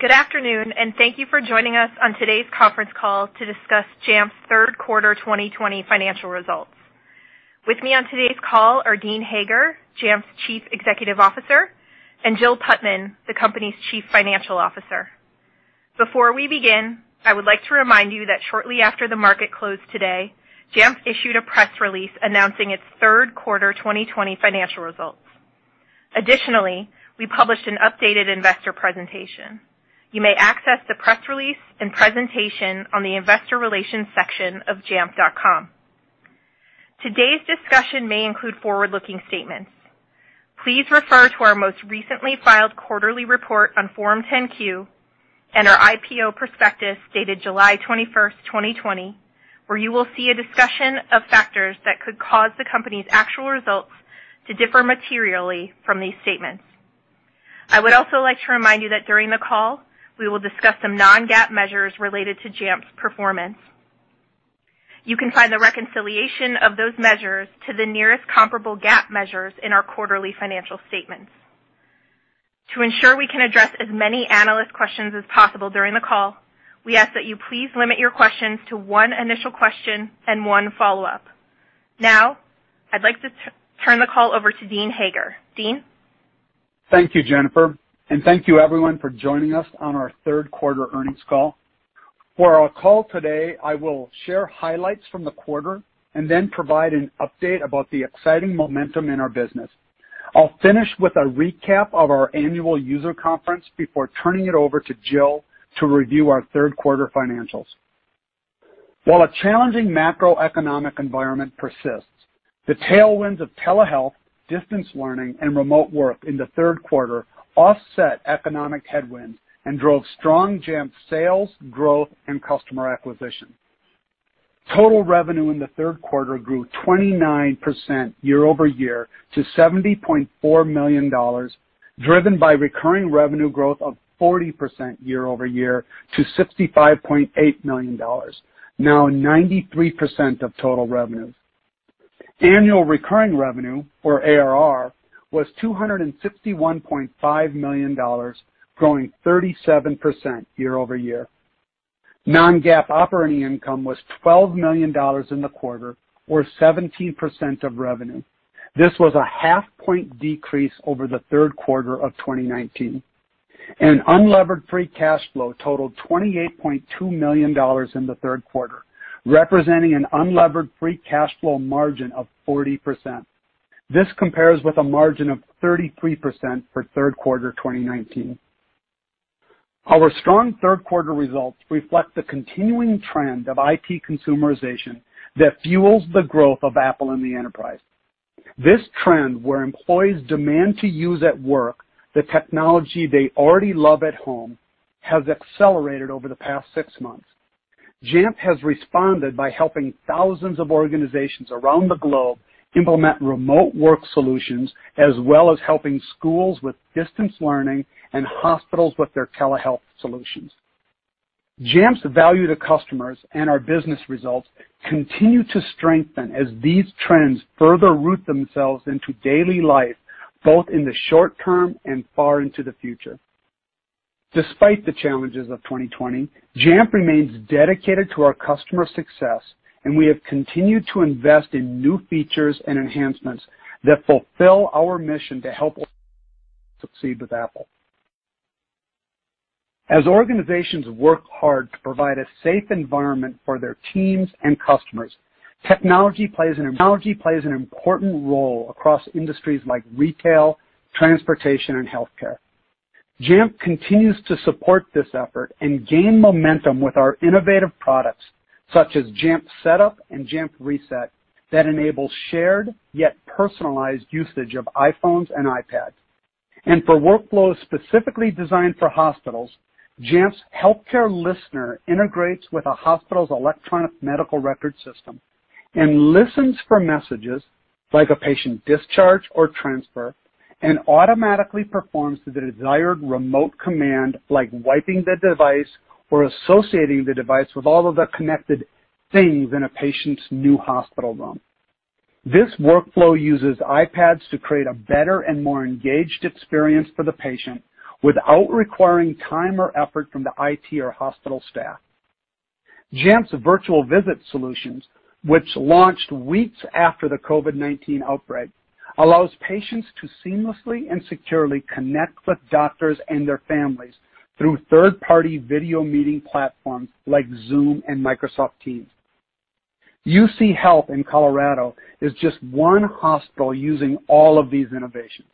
Good afternoon. Thank you for joining us on today's conference call to discuss Jamf's third quarter 2020 financial results. With me on today's call are Dean Hager, Jamf's Chief Executive Officer, and Jill Putman, the company's Chief Financial Officer. Before we begin, I would like to remind you that shortly after the market closed today, Jamf issued a press release announcing its third quarter 2020 financial results. Additionally, we published an updated investor presentation. You may access the press release and presentation on the investor relations section of jamf.com. Today's discussion may include forward-looking statements. Please refer to our most recently filed quarterly report on Form 10-Q and our IPO prospectus, dated July 21st, 2020, where you will see a discussion of factors that could cause the company's actual results to differ materially from these statements. I would also like to remind you that during the call, we will discuss some non-GAAP measures related to Jamf's performance. You can find the reconciliation of those measures to the nearest comparable GAAP measures in our quarterly financial statements. To ensure we can address as many analyst questions as possible during the call, we ask that you please limit your questions to one initial question and one follow-up. Now, I'd like to turn the call over to Dean Hager. Dean? Thank you, Jennifer, and thank you everyone for joining us on our third quarter earnings call. For our call today, I will share highlights from the quarter and then provide an update about the exciting momentum in our business. I'll finish with a recap of our annual user conference before turning it over to Jill to review our third quarter financials. While a challenging macroeconomic environment persists, the tailwinds of telehealth, distance learning, and remote work in the third quarter offset economic headwinds and drove strong Jamf sales, growth, and customer acquisition. Total revenue in the third quarter grew 29% year-over-year to $70.4 million, driven by recurring revenue growth of 40% year-over-year to $65.8 million, now 93% of total revenues. Annual recurring revenue, or ARR, was $261.5 million, growing 37% year-over-year. Non-GAAP operating income was $12 million in the quarter, or 17% of revenue. This was a half point decrease over the third quarter of 2019, and unlevered free cash flow totaled $28.2 million in the third quarter, representing an unlevered free cash flow margin of 40%. This compares with a margin of 33% for third quarter 2019. Our strong third quarter results reflect the continuing trend of IT consumerization that fuels the growth of Apple in the enterprise. This trend, where employees demand to use at work the technology they already love at home, has accelerated over the past six months. Jamf has responded by helping thousands of organizations around the globe implement remote work solutions, as well as helping schools with distance learning and hospitals with their telehealth solutions. Jamf's value to customers and our business results continue to strengthen as these trends further root themselves into daily life, both in the short term and far into the future. Despite the challenges of 2020, Jamf remains dedicated to our customer success, and we have continued to invest in new features and enhancements that fulfill our mission to help succeed with Apple. As organizations work hard to provide a safe environment for their teams and customers, technology plays an important role across industries like retail, transportation, and healthcare. Jamf continues to support this effort and gain momentum with our innovative products, such as Jamf Setup and Jamf Reset, that enable shared yet personalized usage of iPhones and iPads. For workflows specifically designed for hospitals, Jamf's Healthcare Listener integrates with a hospital's electronic medical record system and listens for messages like a patient discharge or transfer and automatically performs the desired remote command, like wiping the device or associating the device with all of the connected things in a patient's new hospital room. This workflow uses iPads to create a better and more engaged experience for the patient without requiring time or effort from the IT or hospital staff. Jamf's Virtual Visits solutions, which launched weeks after the COVID-19 outbreak, allows patients to seamlessly and securely connect with doctors and their families through third-party video meeting platforms like Zoom and Microsoft Teams. UCHealth in Colorado is just one hospital using all of these innovations.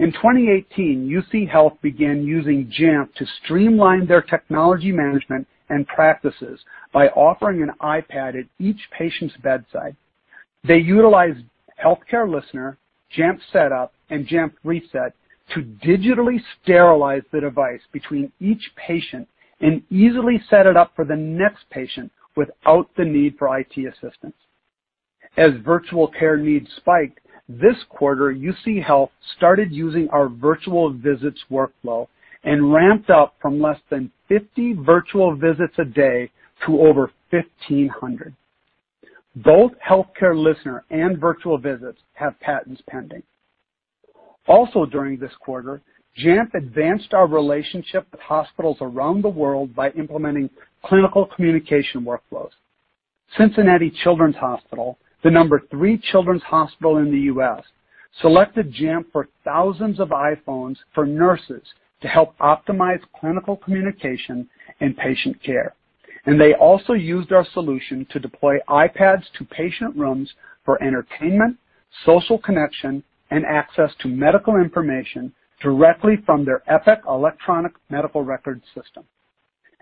In 2018, UCHealth began using Jamf to streamline their technology management and practices by offering an iPad at each patient's bedside. They utilized Healthcare Listener, Jamf Setup, and Jamf Reset to digitally sterilize the device between each patient and easily set it up for the next patient without the need for IT assistance. As virtual care needs spiked, this quarter, UCHealth started using our Virtual Visits workflow and ramped up from less than 50 Virtual Visits a day to over 1,500. Both Healthcare Listener and Virtual Visits have patents pending. Also during this quarter, Jamf advanced our relationship with hospitals around the world by implementing clinical communication workflows. Cincinnati Children's Hospital, the number 3 children's hospital in the U.S., selected Jamf for thousands of iPhones for nurses to help optimize clinical communication and patient care, and they also used our solution to deploy iPads to patient rooms for entertainment, social connection, and access to medical information directly from their Epic electronic medical record system.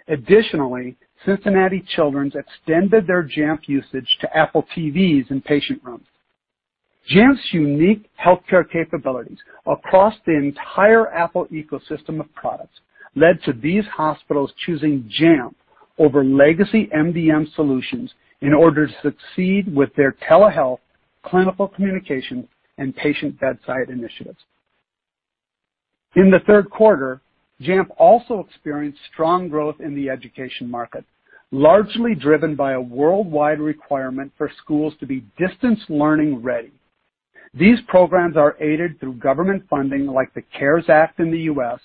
Additionally, Cincinnati Children's extended their Jamf usage to Apple TVs in patient rooms. Jamf's unique healthcare capabilities across the entire Apple ecosystem of products led to these hospitals choosing Jamf over legacy MDM solutions in order to succeed with their telehealth, clinical communication, and patient bedside initiatives. In the third quarter, Jamf also experienced strong growth in the education market, largely driven by a worldwide requirement for schools to be distance learning ready. These programs are aided through government funding like the CARES Act in the U.S.,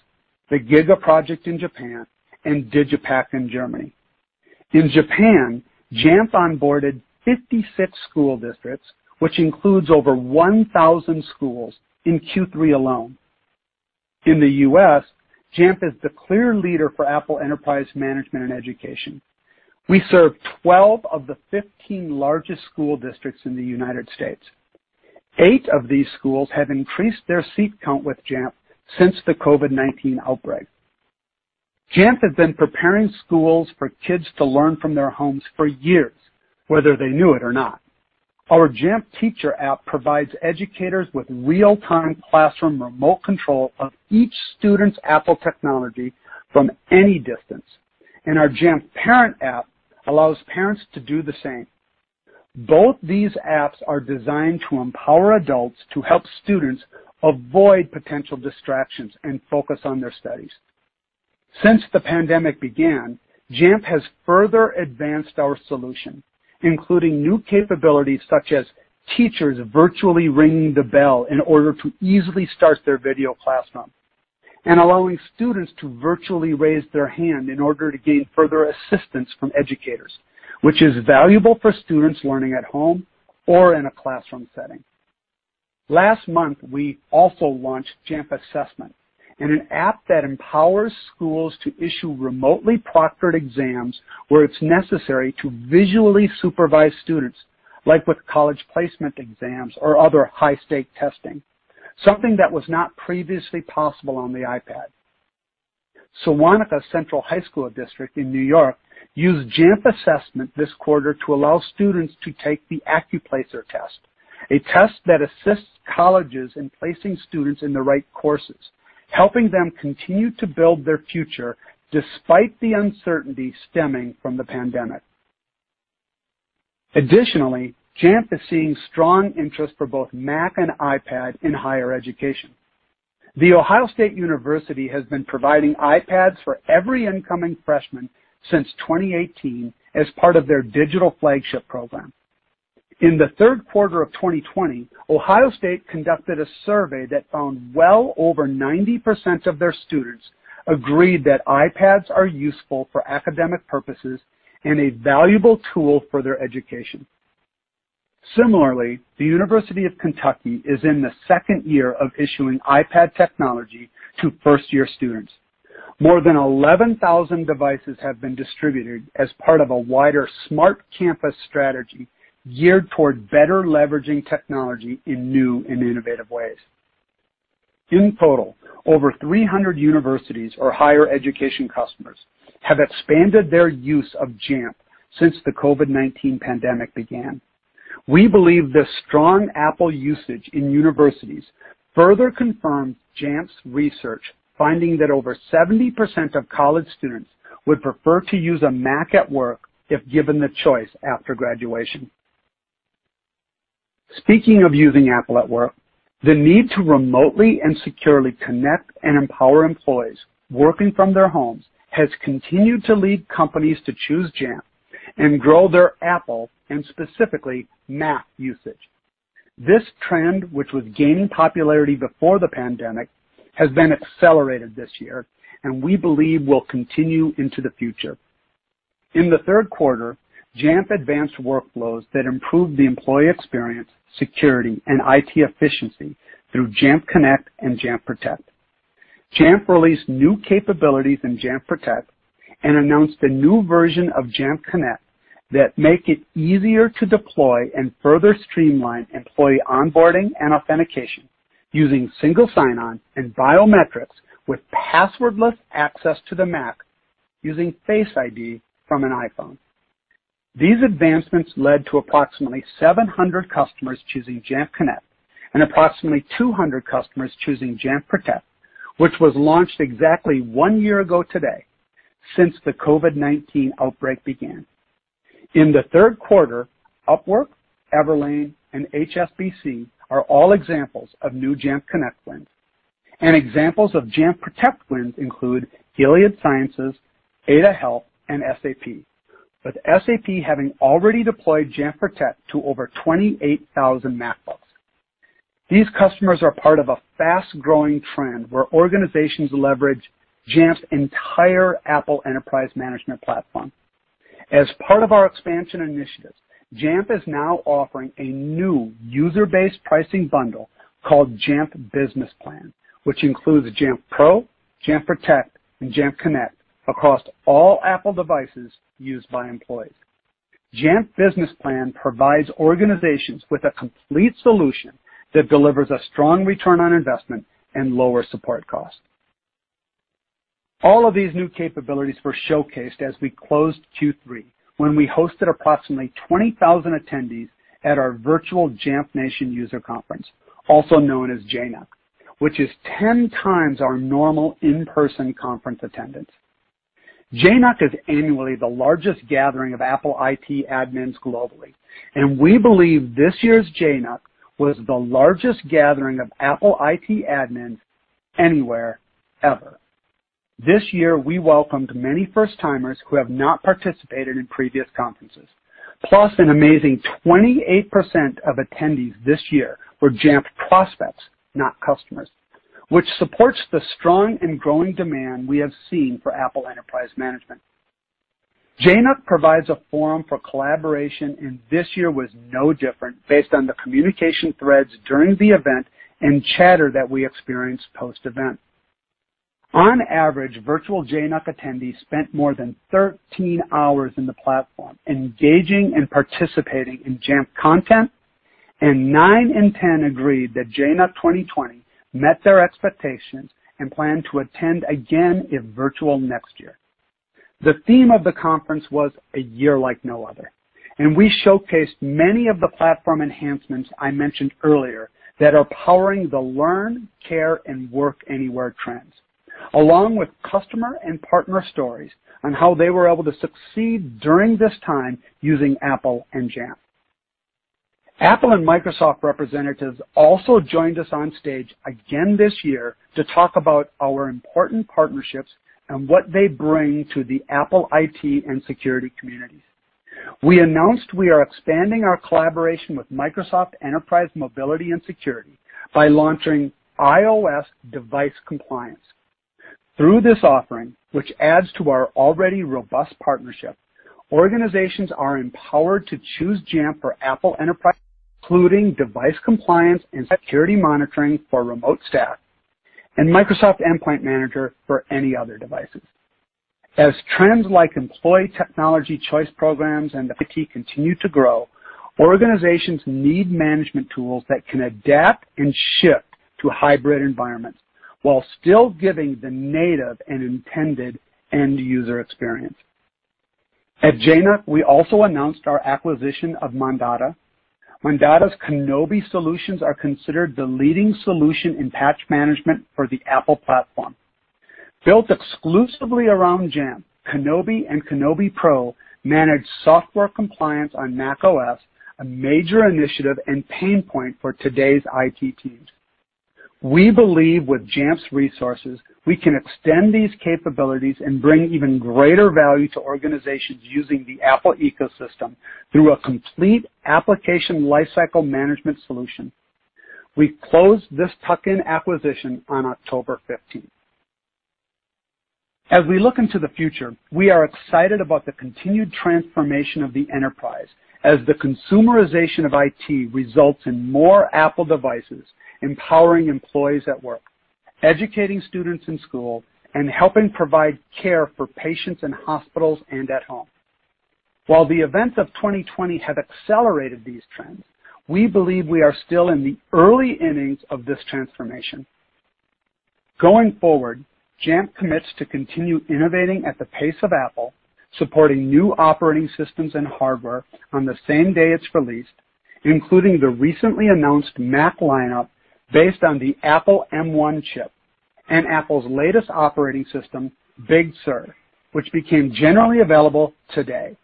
the GIGA project in Japan, and DigitalPakt in Germany. In Japan, Jamf onboarded 56 school districts, which includes over 1,000 schools in Q3 alone. In the U.S., Jamf is the clear leader for Apple enterprise management and education. We serve 12 of the 15 largest school districts in the United States. Eight of these schools have increased their seat count with Jamf since the COVID-19 outbreak. Jamf has been preparing schools for kids to learn from their homes for years, whether they knew it or not. Our Jamf Teacher app provides educators with real-time classroom remote control of each student's Apple technology from any distance, and our Jamf Parent app allows parents to do the same. Both these apps are designed to empower adults to help students avoid potential distractions and focus on their studies. Since the pandemic began, Jamf has further advanced our solution, including new capabilities such as teachers virtually ringing the bell in order to easily start their video classroom and allowing students to virtually raise their hand in order to gain further assistance from educators, which is valuable for students learning at home or in a classroom setting. Last month, we also launched Jamf Assessment in an app that empowers schools to issue remotely proctored exams where it's necessary to visually supervise students, like with college placement exams or other high-stake testing, something that was not previously possible on the iPad. Sewanhaka Central High School District in New York used Jamf Assessment this quarter to allow students to take the ACCUPLACER test, a test that assists colleges in placing students in the right courses, helping them continue to build their future despite the uncertainty stemming from the pandemic. Jamf is seeing strong interest for both Mac and iPad in higher education. The Ohio State University has been providing iPads for every incoming freshman since 2018 as part of their digital flagship program. In the third quarter of 2020, Ohio State conducted a survey that found well over 90% of their students agreed that iPads are useful for academic purposes and a valuable tool for their education. Similarly, the University of Kentucky is in the second year of issuing iPad technology to first-year students. More than 11,000 devices have been distributed as part of a wider smart campus strategy geared toward better leveraging technology in new and innovative ways. In total, over 300 universities or higher education customers have expanded their use of Jamf since the COVID-19 pandemic began. We believe the strong Apple usage in universities further confirms Jamf's research finding that over 70% of college students would prefer to use a Mac at work if given the choice after graduation. Speaking of using Apple at work, the need to remotely and securely connect and empower employees working from their homes has continued to lead companies to choose Jamf and grow their Apple, and specifically Mac usage. This trend, which was gaining popularity before the pandemic, has been accelerated this year and we believe will continue into the future. In the third quarter, Jamf advanced workflows that improved the employee experience, security, and IT efficiency through Jamf Connect and Jamf Protect. Jamf released new capabilities in Jamf Protect and announced a new version of Jamf Connect that make it easier to deploy and further streamline employee onboarding and authentication using single sign-on and biometrics with password-less access to the Mac using Face ID from an iPhone. These advancements led to approximately 700 customers choosing Jamf Connect and approximately 200 customers choosing Jamf Protect, which was launched exactly one year ago today since the COVID-19 outbreak began. In the third quarter, Upwork, Everlane, and HSBC are all examples of new Jamf Connect wins. Examples of Jamf Protect wins include Gilead Sciences, Aetna, and SAP, with SAP having already deployed Jamf Protect to over 28,000 MacBooks. These customers are part of a fast-growing trend where organizations leverage Jamf's entire Apple enterprise management platform. As part of our expansion initiatives, Jamf is now offering a new user-based pricing bundle called Jamf Business Plan, which includes Jamf Pro, Jamf Protect, and Jamf Connect across all Apple devices used by employees. Jamf Business Plan provides organizations with a complete solution that delivers a strong return on investment and lower support cost. All of these new capabilities were showcased as we closed Q3 when we hosted approximately 20,000 attendees at our virtual Jamf Nation User Conference, also known as JNUC, which is 10 times our normal in-person conference attendance. JNUC is annually the largest gathering of Apple IT admins globally, and we believe this year's JNUC was the largest gathering of Apple IT admins anywhere, ever. This year, we welcomed many first-timers who have not participated in previous conferences. An amazing 28% of attendees this year were Jamf prospects, not customers, which supports the strong and growing demand we have seen for Apple Enterprise Management. JNUC provides a forum for collaboration, and this year was no different based on the communication threads during the event and chatter that we experienced post-event. On average, virtual JNUC attendees spent more than 13 hours in the platform engaging and participating in Jamf content, and nine in ten agreed that JNUC 2020 met their expectations and plan to attend again if virtual next year. The theme of the conference was A Year Like No Other, we showcased many of the platform enhancements I mentioned earlier that are powering the learn, care, and work anywhere trends, along with customer and partner stories on how they were able to succeed during this time using Apple and Jamf. Apple and Microsoft representatives also joined us on stage again this year to talk about our important partnerships and what they bring to the Apple IT and security communities. We announced we are expanding our collaboration with Microsoft Enterprise Mobility and Security by launching iOS device compliance. Through this offering, which adds to our already robust partnership, organizations are empowered to choose Jamf for Apple Enterprise, including device compliance and security monitoring for remote staff, and Microsoft Endpoint Manager for any other devices. Trends like employee technology choice programs and IT continue to grow, organizations need management tools that can adapt and shift to hybrid environments while still giving the native and intended end-user experience. At JNUC, we also announced our acquisition of Mondada. Mondada's Kinobi solutions are considered the leading solution in patch management for the Apple platform. Built exclusively around Jamf, Kinobi and Kinobi Pro manage software compliance on macOS, a major initiative and pain point for today's IT teams. We believe with Jamf's resources, we can extend these capabilities and bring even greater value to organizations using the Apple ecosystem through a complete application lifecycle management solution. We closed this tuck-in acquisition on October 15th. As we look into the future, we are excited about the continued transformation of the enterprise as the consumerization of IT results in more Apple devices, empowering employees at work, educating students in school, and helping provide care for patients in hospitals and at home. While the events of 2020 have accelerated these trends, we believe we are still in the early innings of this transformation. Going forward, Jamf commits to continue innovating at the pace of Apple, supporting new operating systems and hardware on the same day it's released, including the recently announced Mac lineup based on the Apple M1 chip and Apple's latest operating system, Big Sur, which became generally available today.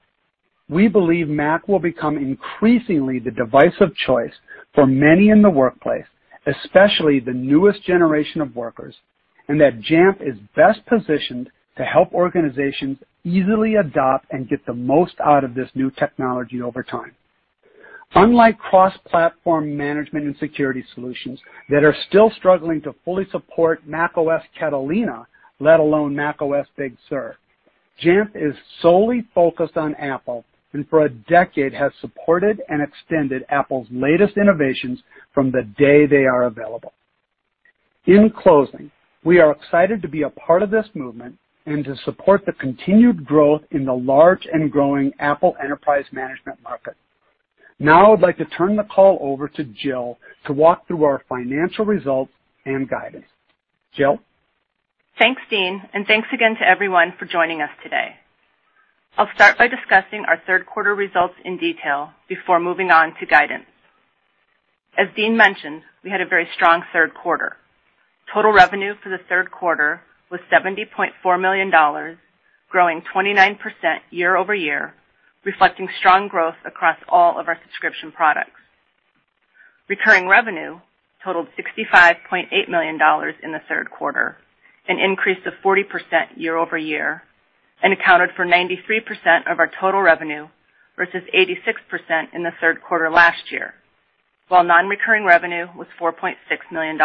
We believe Mac will become increasingly the device of choice for many in the workplace, especially the newest generation of workers, and that Jamf is best positioned to help organizations easily adopt and get the most out of this new technology over time. Unlike cross-platform management and security solutions that are still struggling to fully support macOS Catalina, let alone macOS Big Sur, Jamf is solely focused on Apple and for a decade has supported and extended Apple's latest innovations from the day they are available. In closing, we are excited to be a part of this movement and to support the continued growth in the large and growing Apple Enterprise management market. Now I would like to turn the call over to Jill to walk through our financial results and guidance. Jill? Thanks, Dean, and thanks again to everyone for joining us today. I'll start by discussing our third quarter results in detail before moving on to guidance. As Dean mentioned, we had a very strong third quarter. Total revenue for the third quarter was $70.4 million, growing 29% year-over-year, reflecting strong growth across all of our subscription products. Recurring revenue totaled $65.8 million in the third quarter, an increase of 40% year-over-year, and accounted for 93% of our total revenue versus 86% in the third quarter last year, while non-recurring revenue was $4.6 million.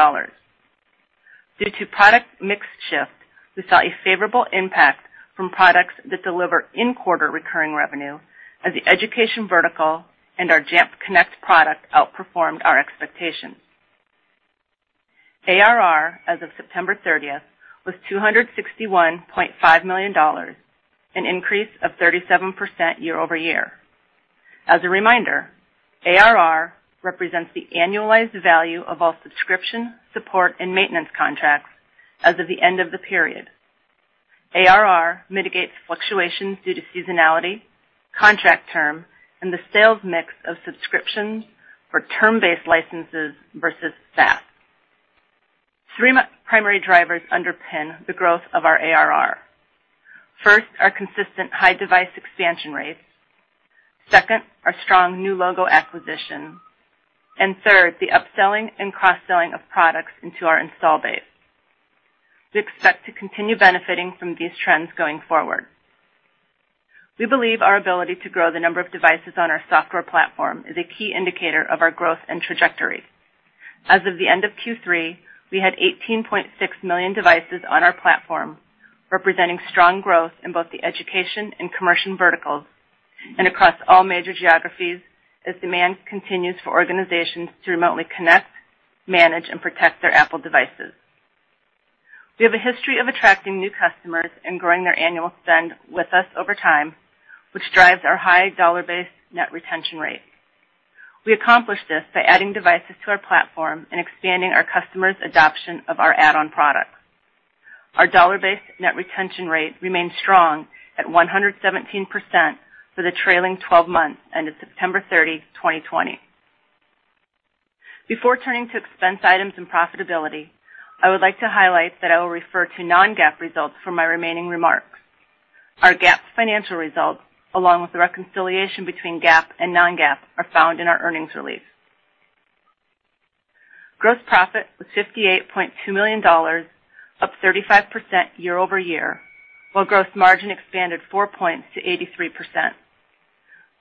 Due to product mix shift, we saw a favorable impact from products that deliver in-quarter recurring revenue as the education vertical and our Jamf Connect product outperformed our expectations. ARR as of September 30th was $261.5 million, an increase of 37% year-over-year. As a reminder, ARR represents the annualized value of all subscription, support, and maintenance contracts as of the end of the period. ARR mitigates fluctuations due to seasonality, contract term, and the sales mix of subscriptions for term-based licenses versus SaaS. Three primary drivers underpin the growth of our ARR. First, our consistent high device expansion rates. Second, our strong new logo acquisition. Third, the upselling and cross-selling of products into our install base. We expect to continue benefiting from these trends going forward. We believe our ability to grow the number of devices on our software platform is a key indicator of our growth and trajectory. As of the end of Q3, we had 18.6 million devices on our platform, representing strong growth in both the education and commercial verticals and across all major geographies as demand continues for organizations to remotely connect, manage, and protect their Apple devices. We have a history of attracting new customers and growing their annual spend with us over time, which drives our high dollar-based net retention rate. We accomplish this by adding devices to our platform and expanding our customers' adoption of our add-on products. Our dollar-based net retention rate remains strong at 117% for the trailing 12 months ended September 30, 2020. Before turning to expense items and profitability, I would like to highlight that I will refer to non-GAAP results for my remaining remarks. Our GAAP financial results, along with the reconciliation between GAAP and non-GAAP, are found in our earnings release. Gross profit was $58.2 million, up 35% year-over-year, while gross margin expanded four points to 83%.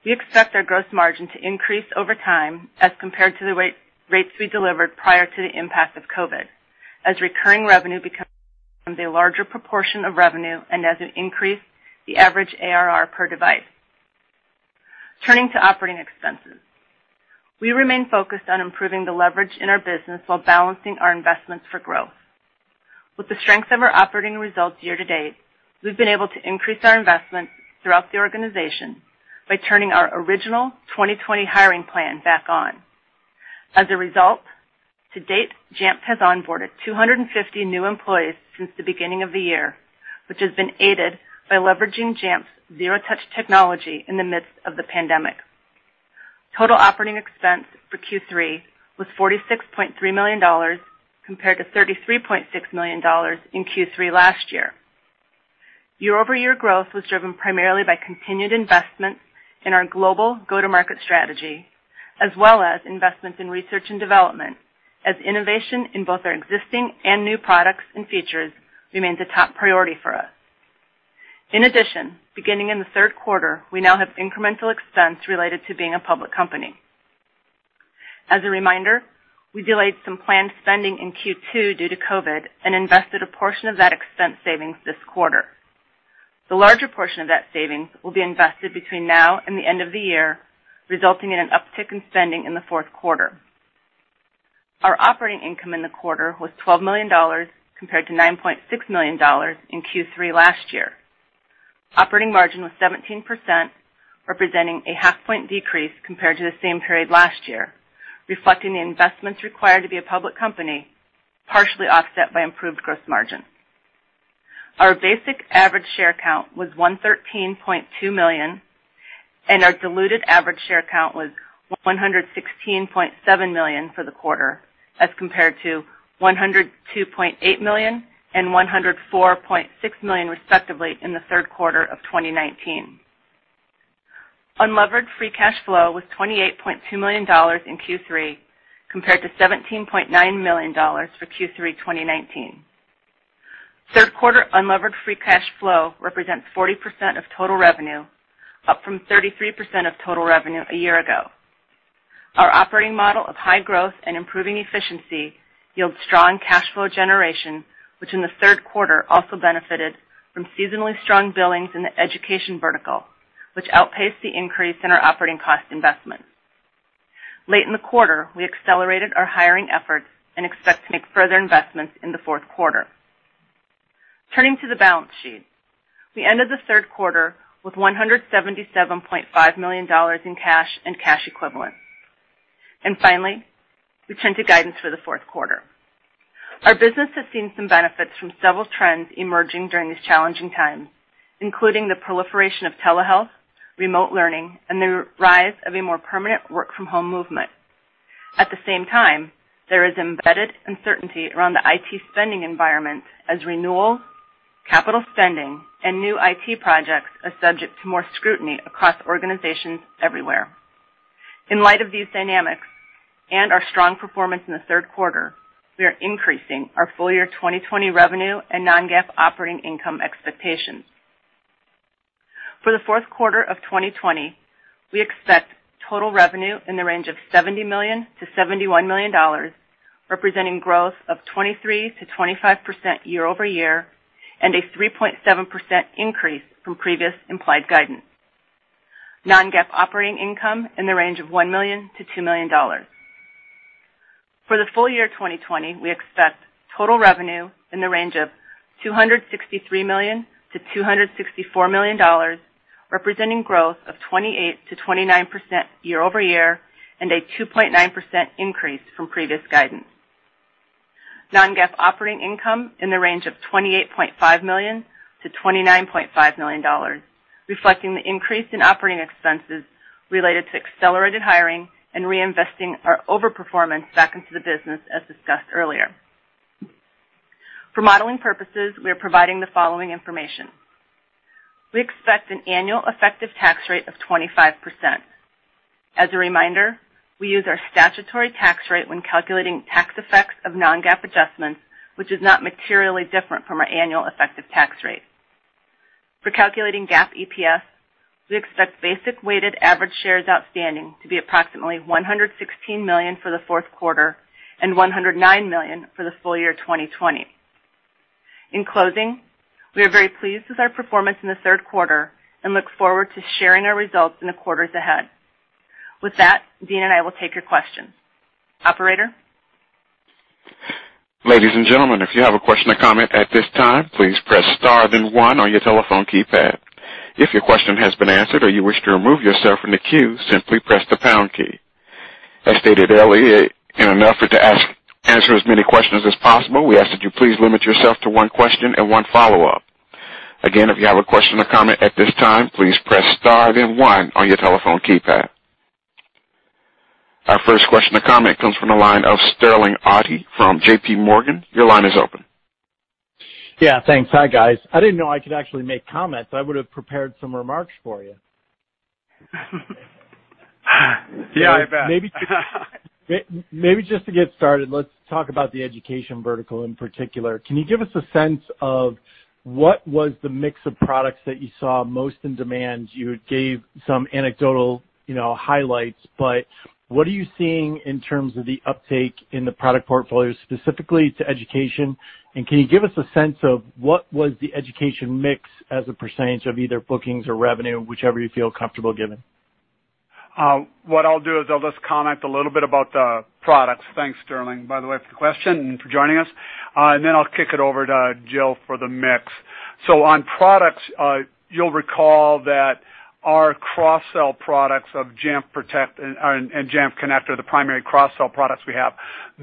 We expect our gross margin to increase over time as compared to the rates we delivered prior to the impact of COVID, as recurring revenue becomes a larger proportion of revenue and as it increased the average ARR per device. Turning to operating expenses. We remain focused on improving the leverage in our business while balancing our investments for growth. With the strength of our operating results year-to-date, we've been able to increase our investments throughout the organization by turning our original 2020 hiring plan back on. As a result, to date, Jamf has onboarded 250 new employees since the beginning of the year, which has been aided by leveraging Jamf's zero-touch technology in the midst of the pandemic. Total operating expense for Q3 was $46.3 million, compared to $33.6 million in Q3 last year. Year-over-year growth was driven primarily by continued investments in our global go-to-market strategy as well as investments in research and development, as innovation in both our existing and new products and features remains a top priority for us. Beginning in the third quarter, we now have incremental expense related to being a public company. As a reminder, we delayed some planned spending in Q2 due to COVID-19 and invested a portion of that expense savings this quarter. The larger portion of that savings will be invested between now and the end of the year, resulting in an uptick in spending in the fourth quarter. Our operating income in the quarter was $12 million, compared to $9.6 million in Q3 last year. Operating margin was 17%, representing a half point decrease compared to the same period last year, reflecting the investments required to be a public company, partially offset by improved gross margin. Our basic average share count was 113.2 million, and our diluted average share count was 116.7 million for the quarter, as compared to 102.8 million and 104.6 million respectively in the third quarter of 2019. Unlevered free cash flow was $28.2 million in Q3, compared to $17.9 million for Q3 2019. Third quarter unlevered free cash flow represents 40% of total revenue, up from 33% of total revenue a year ago. Our operating model of high growth and improving efficiency yields strong cash flow generation, which in the third quarter also benefited from seasonally strong billings in the education vertical, which outpaced the increase in our operating cost investments. Late in the quarter, we accelerated our hiring efforts and expect to make further investments in the fourth quarter. Turning to the balance sheet. We ended the third quarter with $177.5 million in cash and cash equivalents. Finally, we turn to guidance for the fourth quarter. Our business has seen some benefits from several trends emerging during these challenging times, including the proliferation of telehealth, remote learning, and the rise of a more permanent work-from-home movement. At the same time, there is embedded uncertainty around the IT spending environment as renewal, capital spending, and new IT projects are subject to more scrutiny across organizations everywhere. In light of these dynamics and our strong performance in the third quarter, we are increasing our full-year 2020 revenue and non-GAAP operating income expectations. For the fourth quarter of 2020, we expect total revenue in the range of $70 million-$71 million, representing growth of 23%-25% year-over-year, and a 3.7% increase from previous implied guidance. Non-GAAP operating income in the range of $1 million-$2 million. For the full year 2020, we expect total revenue in the range of $263 million-$264 million, representing growth of 28%-29% year-over-year, and a 2.9% increase from previous guidance. Non-GAAP operating income in the range of $28.5 million-$29.5 million, reflecting the increase in operating expenses related to accelerated hiring and reinvesting our over-performance back into the business, as discussed earlier. For modeling purposes, we are providing the following information. We expect an annual effective tax rate of 25%. As a reminder, we use our statutory tax rate when calculating tax effects of non-GAAP adjustments, which is not materially different from our annual effective tax rate. For calculating GAAP EPS, we expect basic weighted average shares outstanding to be approximately 116 million for the fourth quarter and 109 million for the full year 2020. In closing, we are very pleased with our performance in the third quarter and look forward to sharing our results in the quarters ahead. With that, Dean and I will take your questions. Operator? Ladies and gentlemen, if you have a question or comment at this time, please press star then one on your telephone keypad. If your question has been answered or you wish to remove yourself from the queue, simply press the pound key. As stated earlier, in an effort to answer as many questions as possible, we ask that you please limit yourself to one question and one follow-up. Again, if you have a question or comment at this time, please press star then one on your telephone keypad. Our first question or comment comes from the line of Sterling Auty from JPMorgan. Your line is open. Yeah, thanks. Hi, guys. I didn't know I could actually make comments. I would have prepared some remarks for you. Yeah, I bet. Maybe just to get started, let's talk about the education vertical in particular. Can you give us a sense of what was the mix of products that you saw most in demand? You gave some anecdotal highlights, but what are you seeing in terms of the uptake in the product portfolio, specifically to education? Can you give us a sense of what was the education mix as a percentage of either bookings or revenue, whichever you feel comfortable giving? What I'll do is I'll just comment a little bit about the products. Thanks, Sterling, by the way, for the question and for joining us. Then I'll kick it over to Jill for the mix. On products, you'll recall that our cross-sell products of Jamf Protect and Jamf Connect are the primary cross-sell products we have.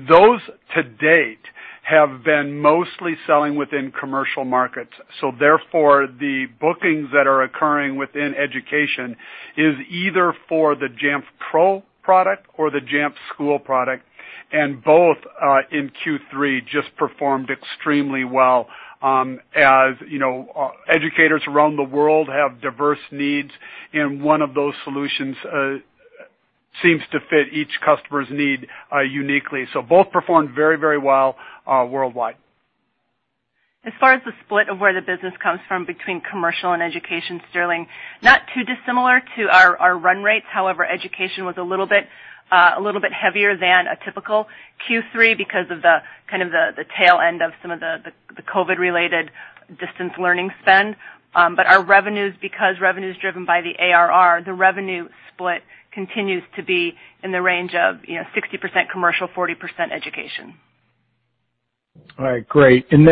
Those to date have been mostly selling within commercial markets. Therefore, the bookings that are occurring within education is either for the Jamf Pro product or the Jamf School product, and both, in Q3, just performed extremely well. As you know, educators around the world have diverse needs, and one of those solutions seems to fit each customer's need uniquely. Both performed very well worldwide. As far as the split of where the business comes from between commercial and education, Sterling, not too dissimilar to our run rates. However, education was a little bit heavier than a typical Q3 because of the tail end of some of the COVID-related distance learning spend. Our revenues, because revenue is driven by the ARR, the revenue split continues to be in the range of 60% commercial, 40% education. All right, great. In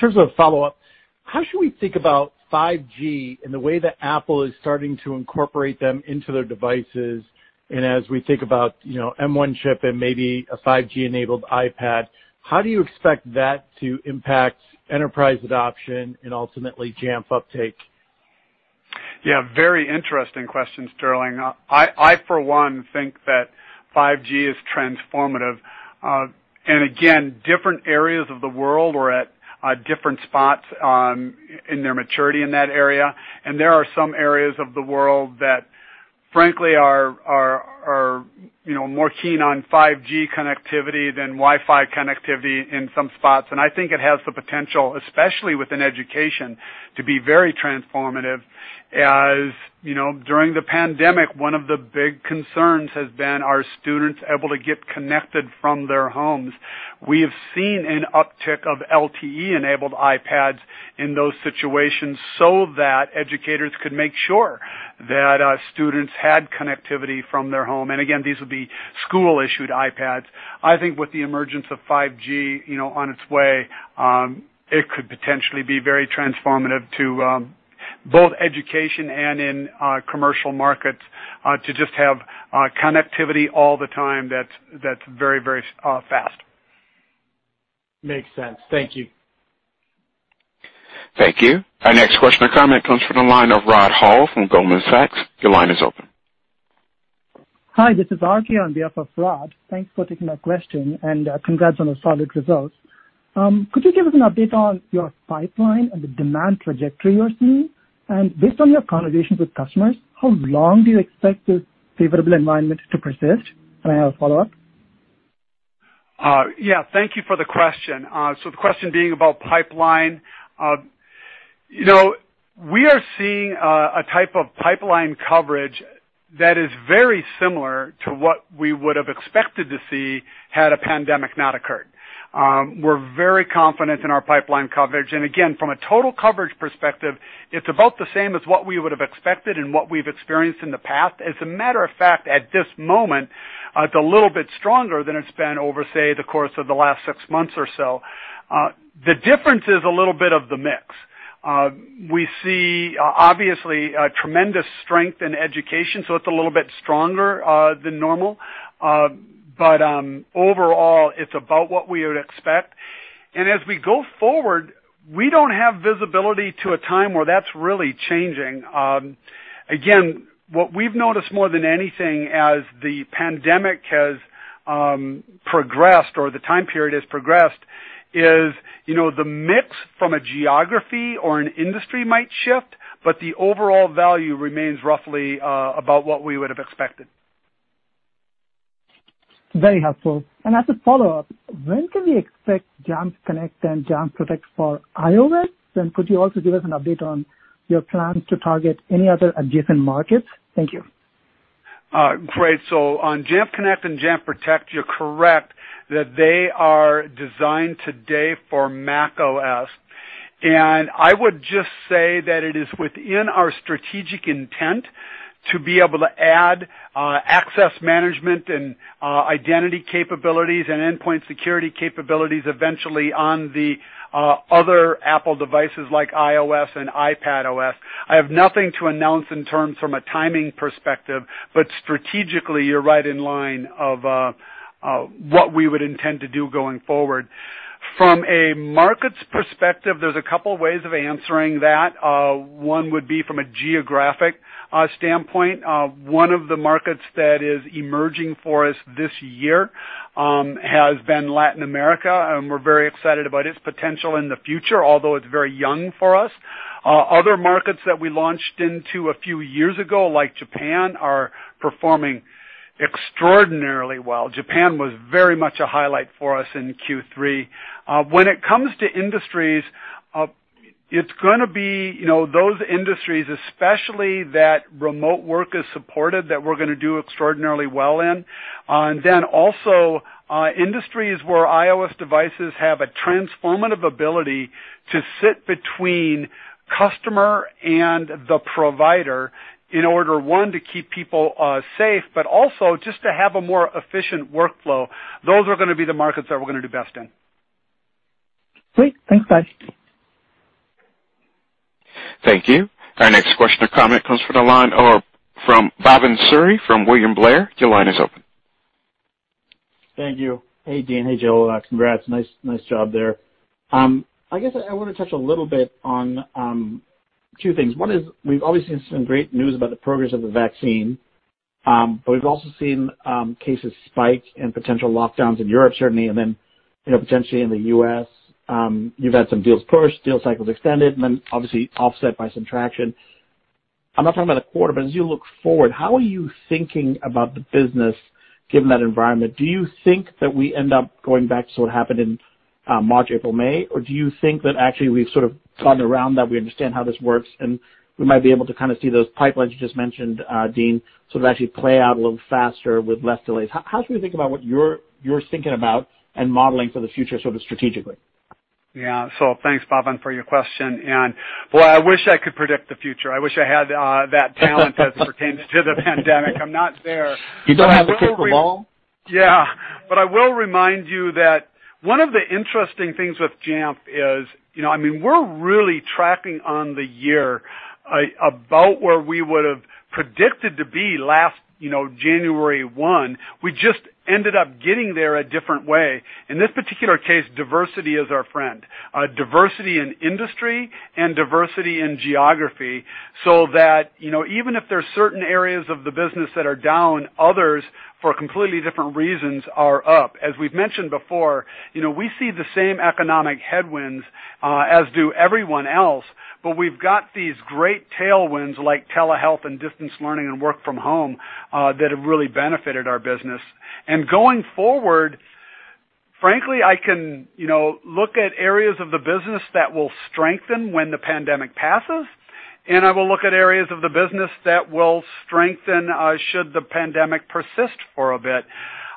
terms of follow-up, how should we think about 5G and the way that Apple is starting to incorporate them into their devices? As we think about M1 chip and maybe a 5G-enabled iPad, how do you expect that to impact enterprise adoption and ultimately Jamf uptake? Yeah, very interesting question, Sterling. I, for one, think that 5G is transformative. Again, different areas of the world are at different spots in their maturity in that area. There are some areas of the world that, frankly, are more keen on 5G connectivity than Wi-Fi connectivity in some spots. I think it has the potential, especially within education, to be very transformative as during the pandemic, one of the big concerns has been, are students able to get connected from their homes? We have seen an uptick of LTE-enabled iPads in those situations so that educators could make sure that students had connectivity from their home. Again, these would be school-issued iPads. I think with the emergence of 5G on its way, it could potentially be very transformative to both education and in commercial markets to just have connectivity all the time that's very fast. Makes sense. Thank you. Thank you. Our next question or comment comes from the line of Rod Hall from Goldman Sachs. Your line is open. Hi, this is Archie on behalf of Rod. Thanks for taking my question, and congrats on the solid results. Could you give us an update on your pipeline and the demand trajectory you're seeing? Based on your conversations with customers, how long do you expect this favorable environment to persist? I have a follow-up. Yeah. Thank you for the question. The question being about pipeline. We are seeing a type of pipeline coverage that is very similar to what we would have expected to see had a pandemic not occurred. We're very confident in our pipeline coverage. Again, from a total coverage perspective, it's about the same as what we would have expected and what we've experienced in the past. As a matter of fact, at this moment, it's a little bit stronger than it's been over, say, the course of the last six months or so. The difference is a little bit of the mix. We see, obviously, a tremendous strength in education, so it's a little bit stronger than normal. Overall, it's about what we would expect. As we go forward, we don't have visibility to a time where that's really changing. Again, what we've noticed more than anything as the pandemic has progressed, or the time period has progressed is, the mix from a geography or an industry might shift, but the overall value remains roughly about what we would have expected. Very helpful. As a follow-up, when can we expect Jamf Connect and Jamf Protect for iOS? Could you also give us an update on your plans to target any other adjacent markets? Thank you. Great. On Jamf Connect and Jamf Protect, you're correct that they are designed today for macOS. I would just say that it is within our strategic intent to be able to add access management and identity capabilities and endpoint security capabilities eventually on the other Apple devices like iOS and iPadOS. I have nothing to announce in terms from a timing perspective, but strategically, you're right in line of what we would intend to do going forward. From a markets perspective, there's a couple ways of answering that. One would be from a geographic standpoint. One of the markets that is emerging for us this year, has been Latin America, and we're very excited about its potential in the future, although it's very young for us. Other markets that we launched into a few years ago, like Japan, are performing extraordinarily well. Japan was very much a highlight for us in Q3. When it comes to industries, it's going to be those industries, especially that remote work is supported, that we're going to do extraordinarily well in. Also, industries where iOS devices have a transformative ability to sit between customer and the provider in order, one, to keep people safe, but also just to have a more efficient workflow. Those are going to be the markets that we're going to do best in. Great. Thanks, guys. Thank you. Our next question or comment comes from the line or from Bhavan Suri from William Blair. Your line is open. Thank you. Hey, Dean. Hey, Jill. Congrats. Nice job there. I guess I want to touch a little bit on two things. One is we've obviously seen some great news about the progress of the vaccine, but we've also seen cases spike and potential lockdowns in Europe, certainly, and then potentially in the U.S. You've had some deals pushed, deal cycles extended, and then obviously offset by some traction. I'm not talking about a quarter, but as you look forward, how are you thinking about the business given that environment? Do you think that we end up going back to what happened in March, April, May? Or do you think that actually we've sort of gotten around that, we understand how this works, and we might be able to kind of see those pipelines you just mentioned, Dean, sort of actually play out a little faster with less delays? How should we think about what you're thinking about and modeling for the future sort of strategically? Yeah. Thanks, Bhavan, for your question. Boy, I wish I could predict the future. I wish I had that talent as it pertains to the pandemic. I'm not there. You don't have a crystal ball? Yeah. I will remind you that one of the interesting things with Jamf is, we're really tracking on the year about where we would've predicted to be last January 1. We just ended up getting there a different way. In this particular case, diversity is our friend. Diversity in industry and diversity in geography, so that even if there's certain areas of the business that are down, others, for completely different reasons, are up. As we've mentioned before, we see the same economic headwinds, as do everyone else, but we've got these great tailwinds like telehealth and distance learning and work from home, that have really benefited our business. Going forward, frankly, I can look at areas of the business that will strengthen when the pandemic passes, and I will look at areas of the business that will strengthen should the pandemic persist for a bit.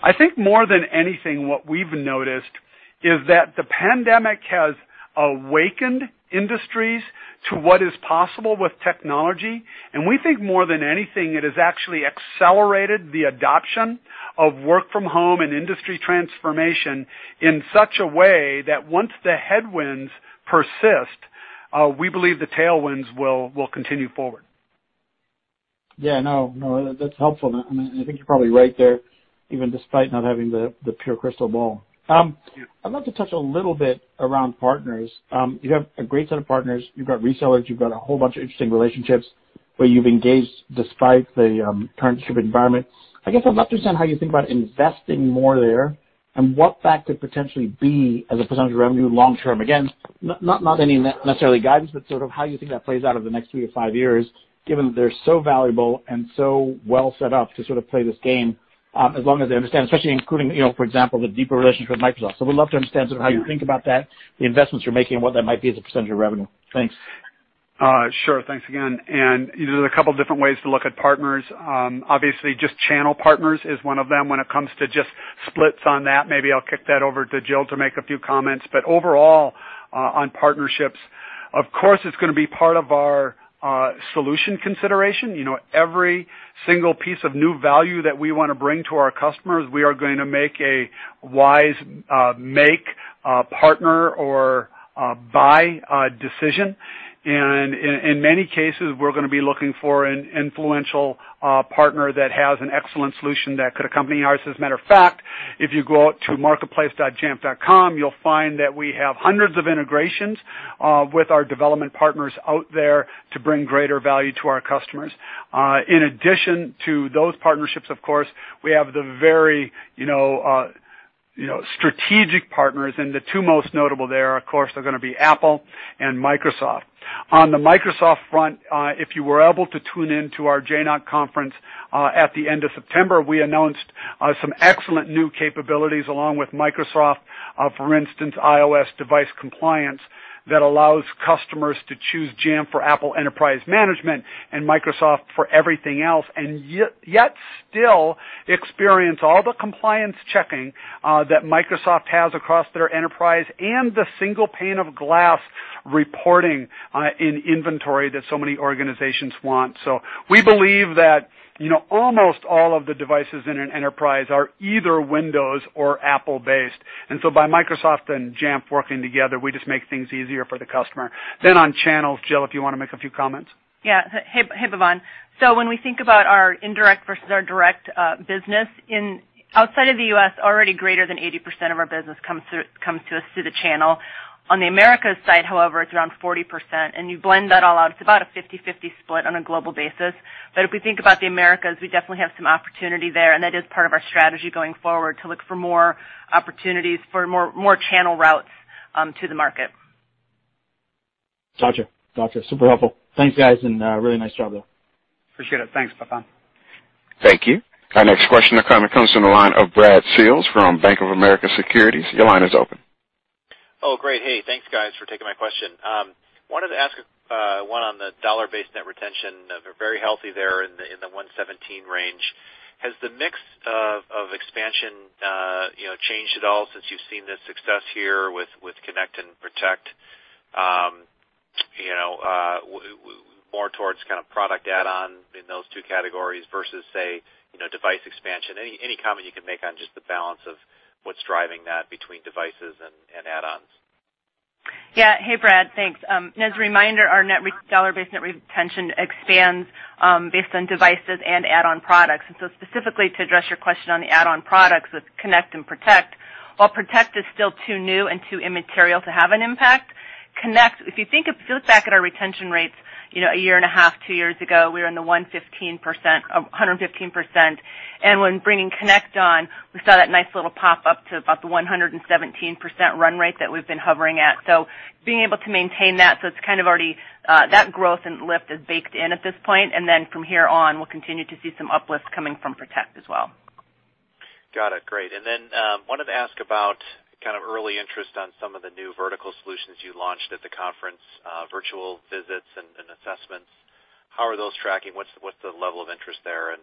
I think more than anything, what we've noticed is that the pandemic has awakened industries to what is possible with technology. We think more than anything, it has actually accelerated the adoption of work from home and industry transformation in such a way that once the headwinds persist, we believe the tailwinds will continue forward. Yeah, no, that's helpful. I think you're probably right there, even despite not having the pure crystal ball. Yeah. I'd like to touch a little bit around partners. You have a great set of partners. You've got resellers, you've got a whole bunch of interesting relationships where you've engaged despite the current ship environment. I guess I'd love to understand how you think about investing more there and what that could potentially be as a percentage of revenue long-term. Again, not any necessarily guidance, but sort of how you think that plays out over the next three to five years, given that they're so valuable and so well set up to sort of play this game, as long as I understand, especially including, for example, the deeper relationship with Microsoft. We'd love to understand sort of how you think about that, the investments you're making and what that might be as a percentage of revenue. Thanks. Sure. Thanks again. There's a couple different ways to look at partners. Obviously, just channel partners is one of them. When it comes to just splits on that, maybe I'll kick that over to Jill to make a few comments. Overall, on partnerships, of course, it's going to be part of our solution consideration. Every single piece of new value that we want to bring to our customers, we are going to make a wise make, partner, or buy decision. In many cases, we're going to be looking for an influential partner that has an excellent solution that could accompany ours. As a matter of fact, if you go out to marketplace.jamf.com, you'll find that we have hundreds of integrations with our development partners out there to bring greater value to our customers. In addition to those partnerships, of course, we have the very strategic partners, and the two most notable there, of course, are going to be Apple and Microsoft. On the Microsoft front, if you were able to tune into our JNUC conference, at the end of September, we announced some excellent new capabilities along with Microsoft. For instance, iOS device compliance that allows customers to choose Jamf for Apple enterprise management and Microsoft for everything else, and yet still experience all the compliance checking that Microsoft has across their enterprise and the single pane of glass reporting in inventory that so many organizations want. We believe that almost all of the devices in an enterprise are either Windows or Apple based, and so by Microsoft and Jamf working together, we just make things easier for the customer. On channels, Jill, if you want to make a few comments. Yeah. Hey, Bhavan. When we think about our indirect versus our direct business, outside of the U.S., already greater than 80% of our business comes to us through the channel. On the Americas side, however, it's around 40%, and you blend that all out, it's about a 50/50 split on a global basis. If we think about the Americas, we definitely have some opportunity there, and that is part of our strategy going forward, to look for more opportunities for more channel routes to the market. Got you. Super helpful. Thanks, guys, and really nice job there. Appreciate it. Thanks, Bhavan. Thank you. Our next question or comment comes from the line of Brad Sills from Bank of America Securities. Your line is open. Hey, thanks, guys, for taking my question. I wanted to ask one on the dollar-based net retention. Very healthy there in the 117% range. Has the mix of expansion changed at all since you've seen the success here with Jamf Connect and Jamf Protect? More towards kind of product add-on in those two categories versus, say, device expansion. Any comment you can make on just the balance of what's driving that between devices and add-ons? Hey, Brad, thanks. As a reminder, our net dollar based net retention expands based on devices and add-on products. Specifically to address your question on the add-on products with Jamf Connect and Jamf Protect, while Jamf Protect is still too new and too immaterial to have an impact, Jamf Connect, if you look back at our retention rates a year and a half, two years ago, we were in the 115%. When bringing Jamf Connect on, we saw that nice little pop-up to about the 117% run rate that we've been hovering at. Being able to maintain that, so it's kind of already, that growth and lift is baked in at this point, from here on, we'll continue to see some uplifts coming from Jamf Protect as well. Got it. Great. Wanted to ask about kind of early interest on some of the new vertical solutions you launched at the conference, Virtual Visits and assessments. How are those tracking? What's the level of interest there, and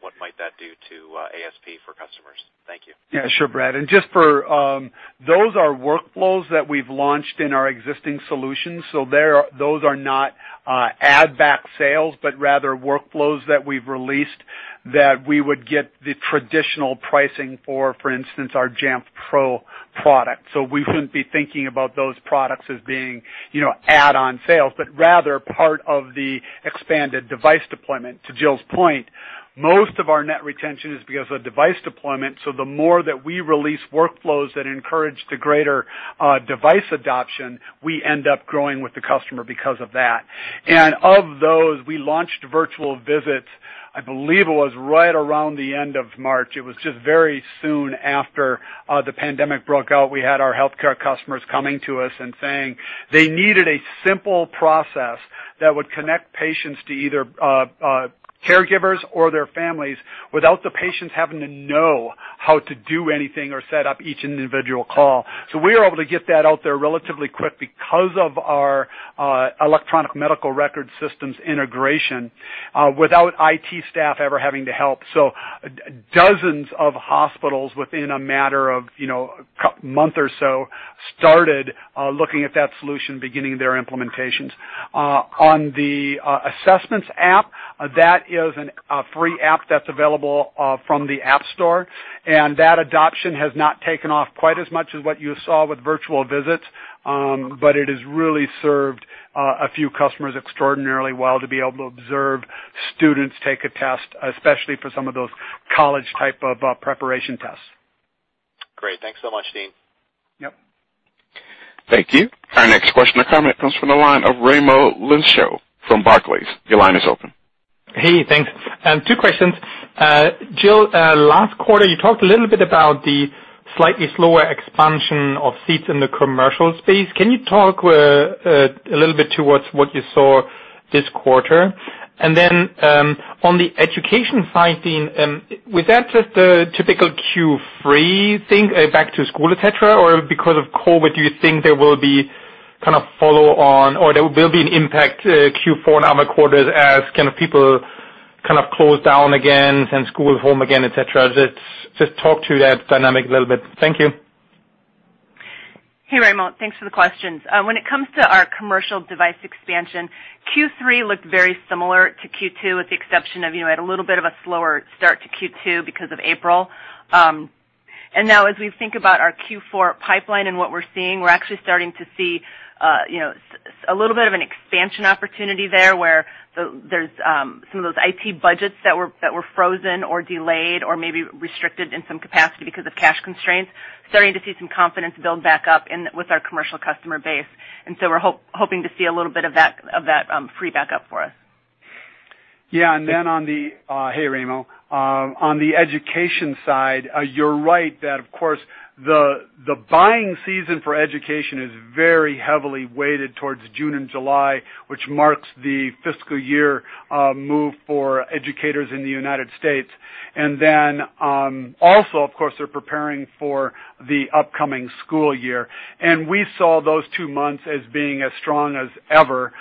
what might that do to ASP for customers? Thank you. Yeah, sure, Brad. Those are workflows that we've launched in our existing solutions. Those are not add back sales, but rather workflows that we've released that we would get the traditional pricing for instance, our Jamf Pro product. We wouldn't be thinking about those products as being add-on sales, but rather part of the expanded device deployment. To Jill's point, most of our net retention is because of device deployment. The more that we release workflows that encourage the greater device adoption, we end up growing with the customer because of that. Of those, we launched Virtual Visits, I believe it was right around the end of March. It was just very soon after the pandemic broke out. We had our healthcare customers coming to us and saying they needed a simple process that would connect patients to either caregivers or their families without the patients having to know how to do anything or set up each individual call. We were able to get that out there relatively quick because of our electronic medical record systems integration, without IT staff ever having to help. Dozens of hospitals within a matter of a month or so started looking at that solution, beginning their implementations. On the Jamf Assessment app, that is a free app that's available from the App Store, and that adoption has not taken off quite as much as what you saw with Virtual Visits. It has really served a few customers extraordinarily well to be able to observe students take a test, especially for some of those college type of preparation tests. Great. Thanks so much, Dean. Yep. Thank you. Our next question or comment comes from the line of Raimo Lenschow from Barclays. Your line is open. Hey, thanks. Two questions. Jill, last quarter, you talked a little bit about the slightly slower expansion of seats in the commercial space. Can you talk a little bit towards what you saw this quarter? On the education side, Dean, was that just a typical Q3 thing, back to school, et cetera, or because of COVID, do you think there will be an impact Q4 and other quarters as people close down again, send school home again, et cetera? Just talk to that dynamic a little bit. Thank you. Hey, Raimo. Thanks for the questions. When it comes to our commercial device expansion, Q3 looked very similar to Q2 with the exception of, it had a little bit of a slower start to Q2 because of April. Now as we think about our Q4 pipeline and what we're seeing, we're actually starting to see a little bit of an expansion opportunity there, where there's some of those IT budgets that were frozen or delayed or maybe restricted in some capacity because of cash constraints, starting to see some confidence build back up with our commercial customer base. So we're hoping to see a little bit of that free back up for us. Yeah. Hey, Raimo. On the education side, you're right that, of course, the buying season for education is very heavily weighted towards June and July, which marks the fiscal year move for educators in the U.S. Then, also, of course, they're preparing for the upcoming school year. We saw those two months as being as strong as ever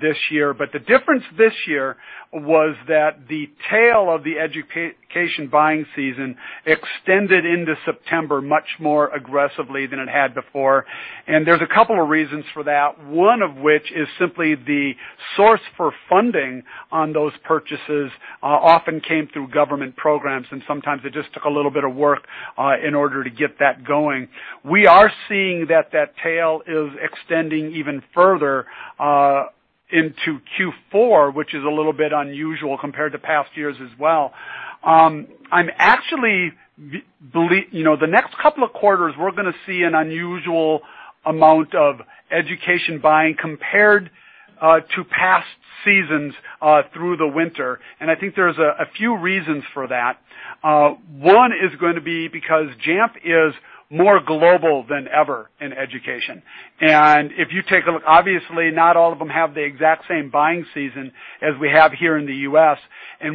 this year. The difference this year was that the tail of the education buying season extended into September much more aggressively than it had before, and there's a couple of reasons for that. One of which is simply the source for funding on those purchases often came through government programs, and sometimes it just took a little bit of work in order to get that going. We are seeing that tail is extending even further into Q4, which is a little bit unusual compared to past years as well. The next couple of quarters, we're going to see an unusual amount of education buying compared to past seasons through the winter. I think there's a few reasons for that. One is going to be because Jamf is more global than ever in education. If you take a look, obviously, not all of them have the exact same buying season as we have here in the U.S.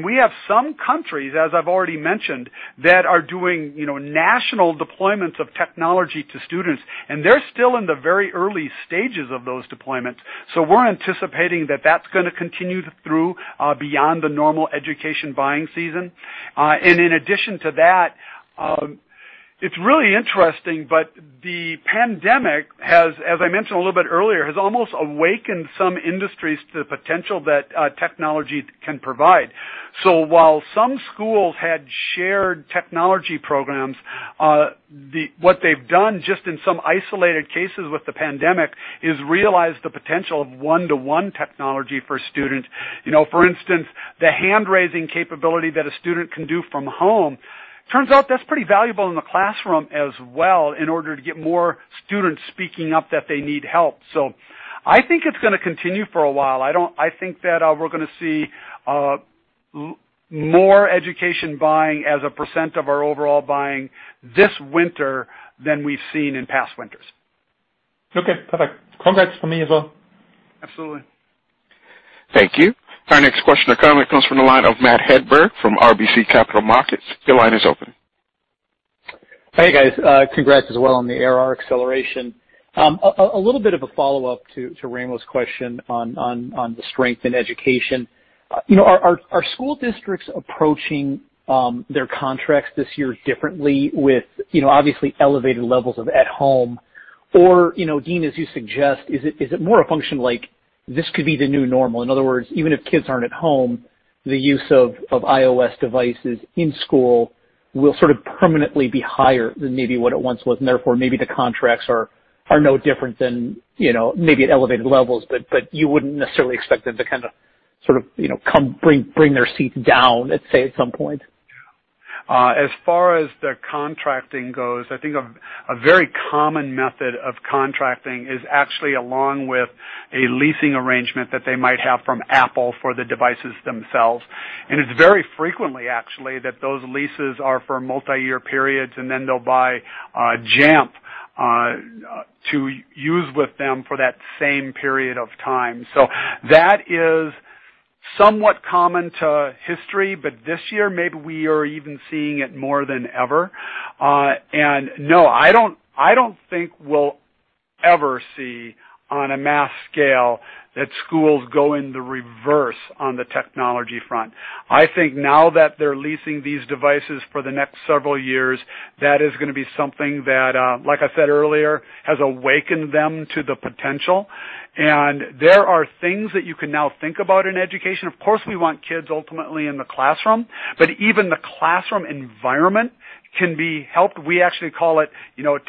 We have some countries, as I've already mentioned, that are doing national deployments of technology to students. They're still in the very early stages of those deployments. We're anticipating that that's going to continue through beyond the normal education buying season. In addition to that, it's really interesting, the pandemic has, as I mentioned a little bit earlier, has almost awakened some industries to the potential that technology can provide. While some schools had shared technology programs, what they've done just in some isolated cases with the pandemic is realize the potential of one-to-one technology for students. For instance, the hand-raising capability that a student can do from home, turns out that's pretty valuable in the classroom as well, in order to get more students speaking up that they need help. I think it's going to continue for a while. I think that we're going to see more education buying as a percent of our overall buying this winter than we've seen in past winters. Okay, perfect. Congrats from me as well. Absolutely. Thank you. Our next question or comment comes from the line of Matt Hedberg from RBC Capital Markets. Your line is open. Hey, guys. Congrats as well on the ARR acceleration. A little bit of a follow-up to Raimo's question on the strength in education. Are school districts approaching their contracts this year differently with, obviously, elevated levels of at home? Dean, as you suggest, is it more a function like this could be the new normal? In other words, even if kids aren't at home, the use of iOS devices in school will sort of permanently be higher than maybe what it once was, and therefore, maybe the contracts are no different than maybe at elevated levels, but you wouldn't necessarily expect them to kind of sort of bring their seats down, let's say, at some point. As far as the contracting goes, I think a very common method of contracting is actually along with a leasing arrangement that they might have from Apple for the devices themselves. It's very frequently, actually, that those leases are for multi-year periods, and then they'll buy Jamf to use with them for that same period of time. That is somewhat common to history, but this year, maybe we are even seeing it more than ever. No, I don't think we'll ever see, on a mass scale, that schools go in the reverse on the technology front. I think now that they're leasing these devices for the next several years, that is going to be something that, like I said earlier, has awakened them to the potential. There are things that you can now think about in education. We want kids ultimately in the classroom, but even the classroom environment can be helped. We actually call it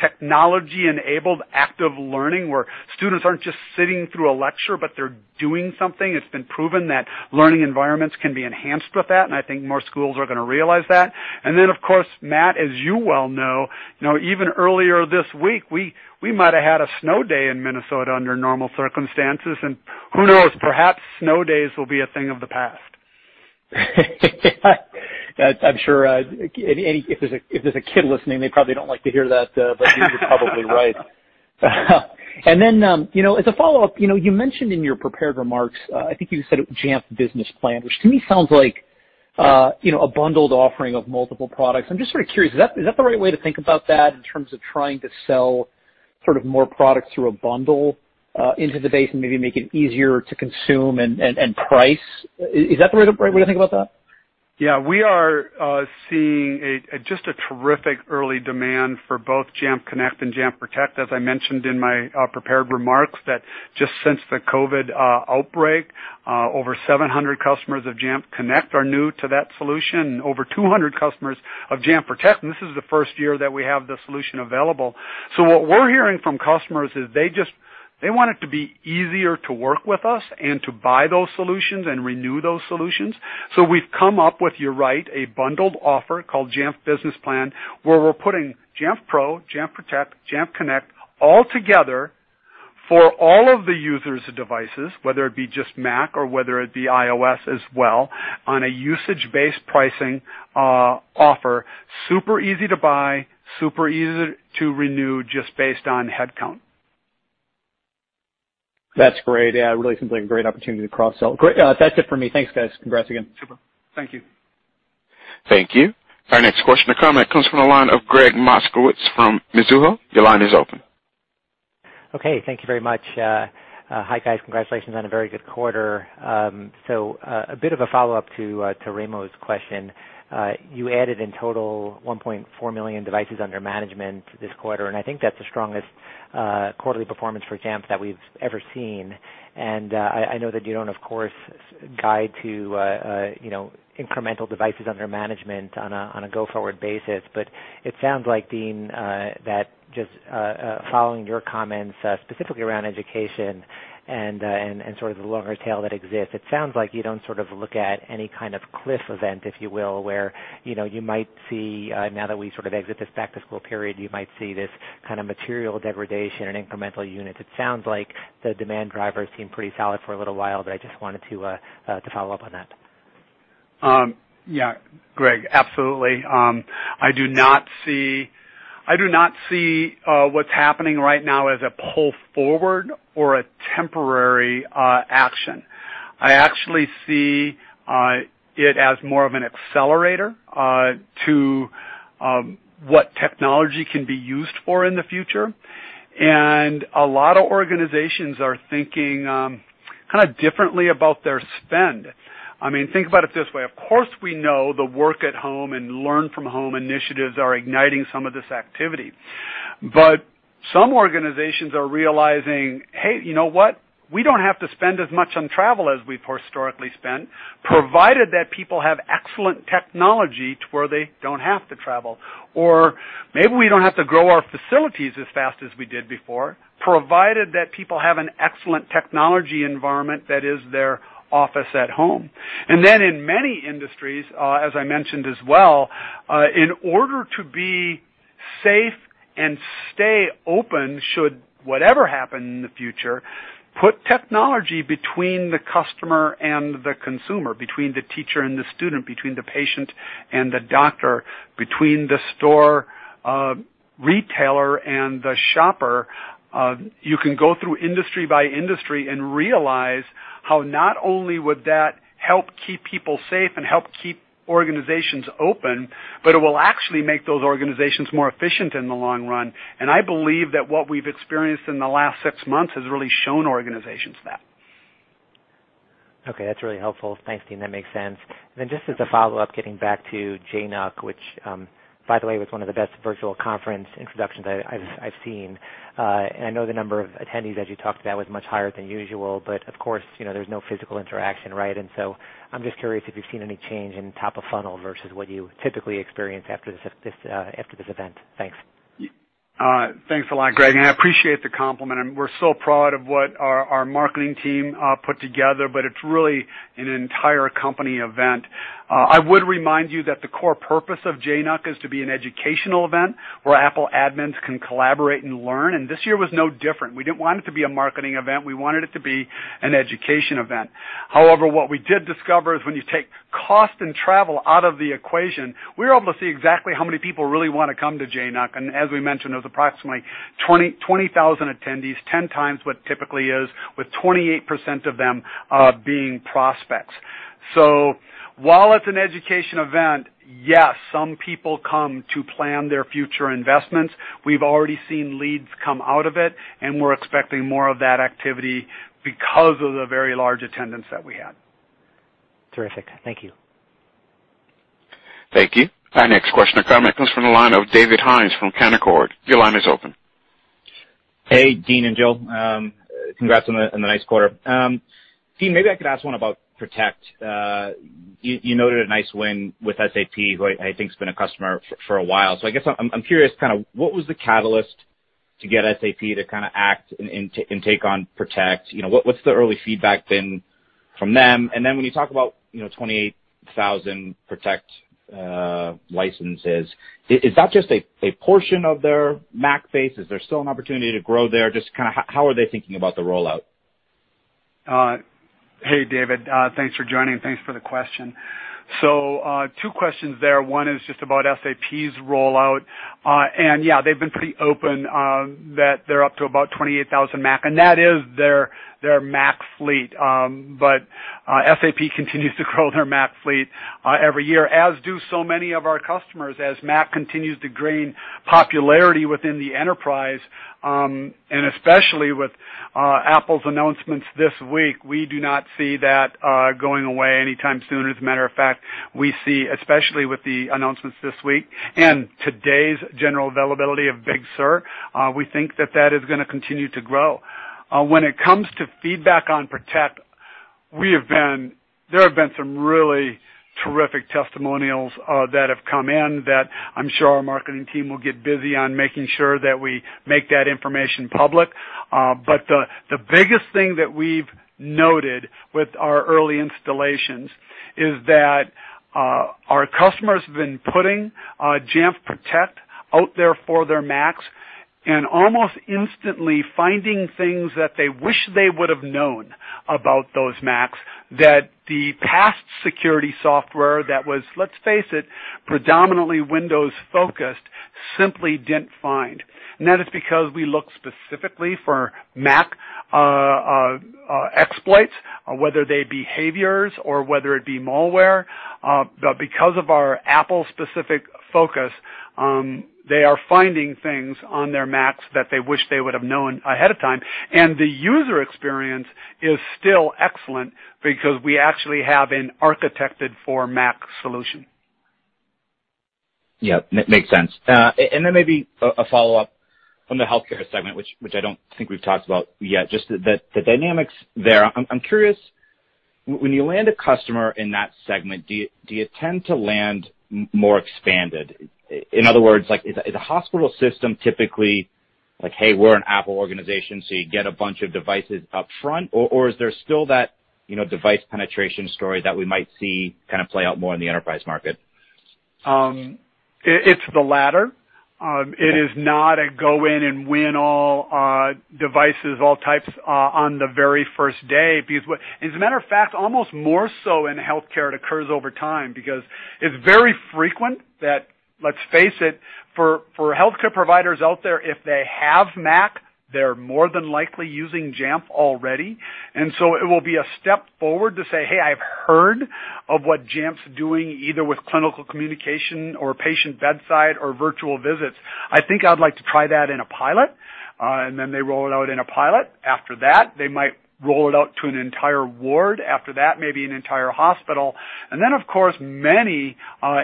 technology-enabled active learning, where students aren't just sitting through a lecture, but they're doing something. It's been proven that learning environments can be enhanced with that. I think more schools are going to realize that. Of course, Matt, as you well know, even earlier this week, we might've had a snow day in Minnesota under normal circumstances. Who knows? Perhaps snow days will be a thing of the past. I'm sure if there's a kid listening, they probably don't like to hear that. You are probably right. As a follow-up, you mentioned in your prepared remarks, I think you said Jamf Business Plan, which to me sounds like a bundled offering of multiple products. I'm just very curious, is that the right way to think about that in terms of trying to sell sort of more products through a bundle into the base and maybe make it easier to consume and price? Is that the right way to think about that? Yeah. We are seeing just a terrific early demand for both Jamf Connect and Jamf Protect. As I mentioned in my prepared remarks, that just since the COVID outbreak, over 700 customers of Jamf Connect are new to that solution, and over 200 customers of Jamf Protect, and this is the first year that we have the solution available. What we're hearing from customers is they want it to be easier to work with us and to buy those solutions and renew those solutions. We've come up with, you're right, a bundled offer called Jamf Business Plan, where we're putting Jamf Pro, Jamf Protect, Jamf Connect all together for all of the users of devices, whether it be just Mac or whether it be iOS as well, on a usage-based pricing offer. Super easy to buy, super easy to renew, just based on headcount. That's great. Yeah, really seems like a great opportunity to cross-sell. Great. That's it for me. Thanks, guys. Congrats again. Super. Thank you. Thank you. Our next question and comment comes from the line of Gregg Moskowitz from Mizuho. Your line is open. Okay. Thank you very much. Hi, guys. Congratulations on a very good quarter. A bit of a follow-up to Raimo's question. You added in total 1.4 million devices under management this quarter, and I think that's the strongest quarterly performance for Jamf that we've ever seen. I know that you don't, of course, guide to incremental devices under management on a go-forward basis, but it sounds like, Dean, that just following your comments, specifically around education and sort of the longer tail that exists, it sounds like you don't sort of look at any kind of cliff event, if you will, where you might see, now that we sort of exit this back-to-school period, you might see this kind of material degradation in incremental units. It sounds like the demand drivers seem pretty solid for a little while, but I just wanted to follow up on that. Yeah. Gregg, absolutely. I do not see what's happening right now as a pull forward or a temporary action. I actually see it as more of an accelerator to what technology can be used for in the future. A lot of organizations are thinking kind of differently about their spend. Think about it this way. Of course, we know the work at home and learn from home initiatives are igniting some of this activity. Some organizations are realizing, you know what? We don't have to spend as much on travel as we've historically spent, provided that people have excellent technology to where they don't have to travel. Maybe we don't have to grow our facilities as fast as we did before, provided that people have an excellent technology environment that is their office at home. In many industries, as I mentioned as well, in order to be safe and stay open should whatever happen in the future, put technology between the customer and the consumer, between the teacher and the student, between the patient and the doctor, between the store retailer and the shopper. You can go through industry by industry and realize how not only would that help keep people safe and help keep organizations open, but it will actually make those organizations more efficient in the long run. I believe that what we've experienced in the last six months has really shown organizations. Okay, that's really helpful. Thanks, Dean, that makes sense. Then just as a follow-up, getting back to JNUC, which, by the way, was one of the best virtual conference introductions I've seen. I know the number of attendees, as you talked about, was much higher than usual, but of course, there's no physical interaction, right? So I'm just curious if you've seen any change in top of funnel versus what you typically experience after this event. Thanks. Thanks a lot, Gregg. I appreciate the compliment. We're so proud of what our marketing team put together, but it's really an entire company event. I would remind you that the core purpose of JNUC is to be an educational event where Apple admins can collaborate and learn, and this year was no different. We didn't want it to be a marketing event. We wanted it to be an education event. However, what we did discover is when you take cost and travel out of the equation, we're able to see exactly how many people really want to come to JNUC. As we mentioned, it was approximately 20,000 attendees, 10 times what typically is, with 28% of them being prospects. While it's an education event, yes, some people come to plan their future investments. We've already seen leads come out of it, and we're expecting more of that activity because of the very large attendance that we had. Terrific. Thank you. Thank you. Our next question and comment comes from the line of David Hynes from Canaccord. Your line is open. Hey, Dean and Jill. Congrats on the nice quarter. Dean, maybe I could ask one about Protect. You noted a nice win with SAP, who I think has been a customer for a while. I guess I'm curious, what was the catalyst to get SAP to act and take on Protect? What's the early feedback been from them? When you talk about 28,000 Protect licenses, is that just a portion of their Mac base? Is there still an opportunity to grow there? Just how are they thinking about the rollout? David. Thanks for joining. Thanks for the question. Two questions there. One is just about SAP's rollout. Yeah, they've been pretty open, that they're up to about 28,000 Mac, and that is their Mac fleet. SAP continues to grow their Mac fleet every year, as do so many of our customers, as Mac continues to gain popularity within the enterprise, especially with Apple's announcements this week. We do not see that going away anytime soon. As a matter of fact, we see, especially with the announcements this week and today's general availability of Big Sur, we think that that is going to continue to grow. When it comes to feedback on Protect, there have been some really terrific testimonials that have come in that I'm sure our marketing team will get busy on making sure that we make that information public. The biggest thing that we've noted with our early installations is that our customers have been putting Jamf Protect out there for their Macs, and almost instantly finding things that they wish they would've known about those Macs that the past security software that was, let's face it, predominantly Windows-focused, simply didn't find. That is because we look specifically for Mac exploits, whether they're behaviors or whether it be malware. Because of our Apple-specific focus, they are finding things on their Macs that they wish they would've known ahead of time. The user experience is still excellent because we actually have an architected for Mac solution. Yeah, makes sense. Maybe a follow-up from the healthcare segment, which I don't think we've talked about yet, just the dynamics there. I'm curious, when you land a customer in that segment, do you tend to land more expanded? In other words, is a hospital system typically like, "Hey, we're an Apple organization," so you get a bunch of devices upfront, or is there still that device penetration story that we might see play out more in the enterprise market? It's the latter. It is not a go in and win all devices, all types, on the very first day. As a matter of fact, almost more so in healthcare, it occurs over time because it's very frequent that, let's face it, for healthcare providers out there, if they have Mac, they're more than likely using Jamf already. It will be a step forward to say, "Hey, I've heard of what Jamf's doing, either with clinical communication or patient bedside or Virtual Visits. I think I'd like to try that in a pilot." They roll it out in a pilot. After that, they might roll it out to an entire ward. After that, maybe an entire hospital. Of course, many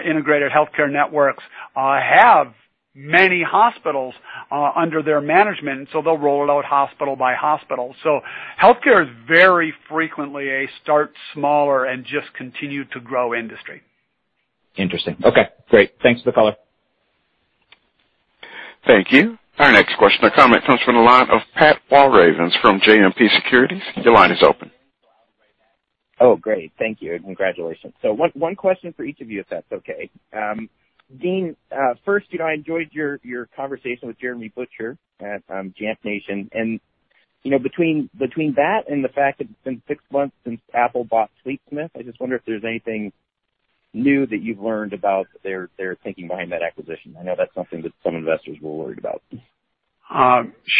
integrated healthcare networks have many hospitals under their management, they'll roll it out hospital by hospital. healthcare is very frequently a start smaller and just continue to grow industry. Interesting. Okay, great. Thanks for the color. Thank you. Our next question or comment comes from the line of Pat Walravens from JMP Securities. Your line is open. Oh, great. Thank you, and congratulations. One question for each of you, if that's okay. Dean, first, I enjoyed your conversation with Jeremy Butcher at Jamf Nation. Between that and the fact that it's been six months since Apple bought Fleetsmith, I just wonder if there's anything new that you've learned about their thinking behind that acquisition. I know that's something that some investors were worried about.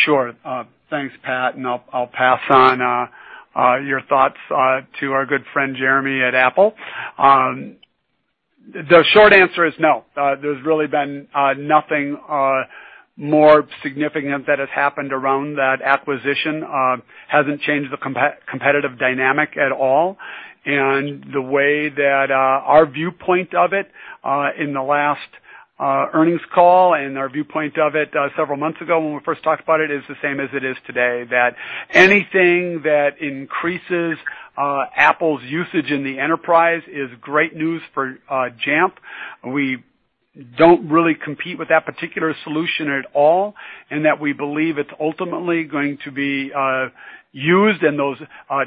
Sure. Thanks, Pat, and I'll pass on your thoughts to our good friend Jeremy at Apple. The short answer is no. There's really been nothing more significant that has happened around that acquisition. Hasn't changed the competitive dynamic at all. The way that our viewpoint of it, in the last earnings call and our viewpoint of it several months ago when we first talked about it, is the same as it is today, that anything that increases Apple's usage in the enterprise is great news for Jamf. We don't really compete with that particular solution at all, and that we believe it's ultimately going to be used, and those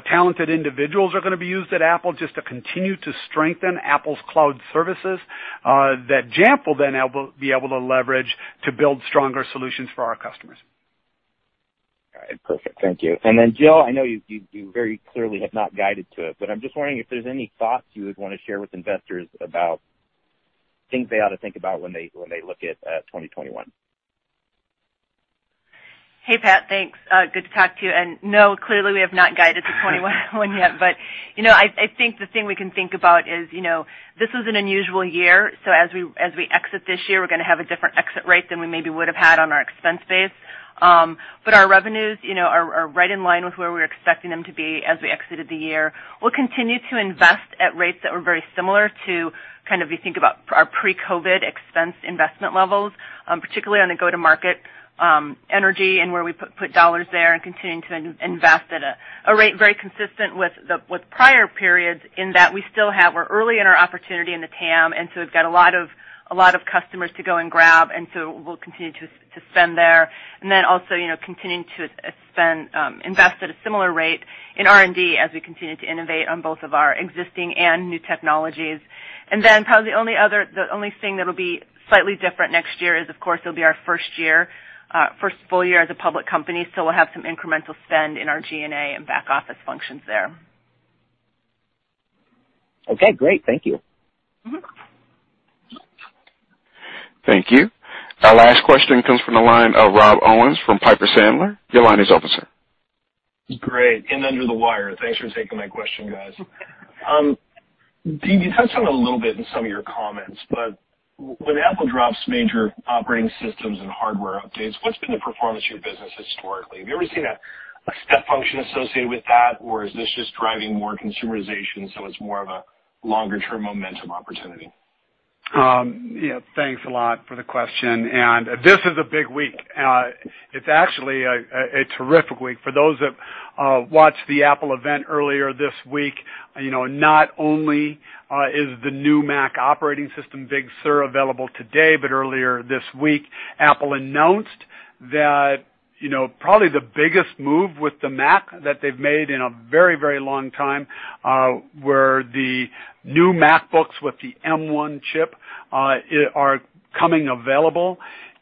talented individuals are going to be used at Apple just to continue to strengthen Apple's cloud services, that Jamf will then be able to leverage to build stronger solutions for our customers. All right, perfect. Thank you. Jill, I know you very clearly have not guided to it, but I'm just wondering if there's any thoughts you would want to share with investors about things they ought to think about when they look at 2021. Hey, Pat. Thanks. Good to talk to you. No, clearly, we have not guided to 2021 yet. I think the thing we can think about is, this is an unusual year. As we exit this year, we're going to have a different exit rate than we maybe would've had on our expense base. Our revenues are right in line with where we're expecting them to be as we exited the year. We'll continue to invest at rates that were very similar to kind of you think about our pre-COVID expense investment levels, particularly on the go-to-market energy and where we put dollars there and continuing to invest at a rate very consistent with prior periods. We're early in our opportunity in the TAM. We've got a lot of customers to go and grab. We'll continue to spend there. Also, continuing to invest at a similar rate in R&D as we continue to innovate on both of our existing and new technologies. Probably the only thing that'll be slightly different next year is, of course, it'll be our first full year as a public company. We'll have some incremental spend in our G&A and back office functions there. Okay, great. Thank you. Thank you. Our last question comes from the line of Rob Owens from Piper Sandler. Your line is open, sir. Great. In under the wire. Thanks for taking my question, guys. Dean, you touched on it a little bit in some of your comments, but when Apple drops major operating systems and hardware updates, what's been the performance of your business historically? Have you ever seen a step function associated with that, or is this just driving more consumerization, so it's more of a longer-term momentum opportunity? Yeah, thanks a lot for the question. This is a big week. It's actually a terrific week. For those that watched the Apple event earlier this week, not only is the new Mac operating system, Big Sur, available today, but earlier this week, Apple announced that probably the biggest move with the Mac that they've made in a very long time, where the new MacBooks with the M1 chip are coming available.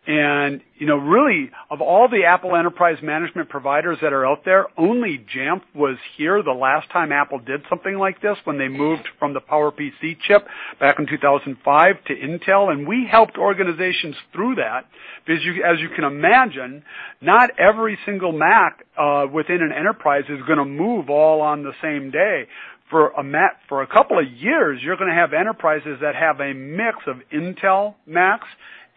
Really, of all the Apple enterprise management providers that are out there, only Jamf was here the last time Apple did something like this, when they moved from the PowerPC chip back in 2005 to Intel. We helped organizations through that. Because as you can imagine, not every single Mac within an enterprise is going to move all on the same day. For a couple of years, you're going to have enterprises that have a mix of Intel Macs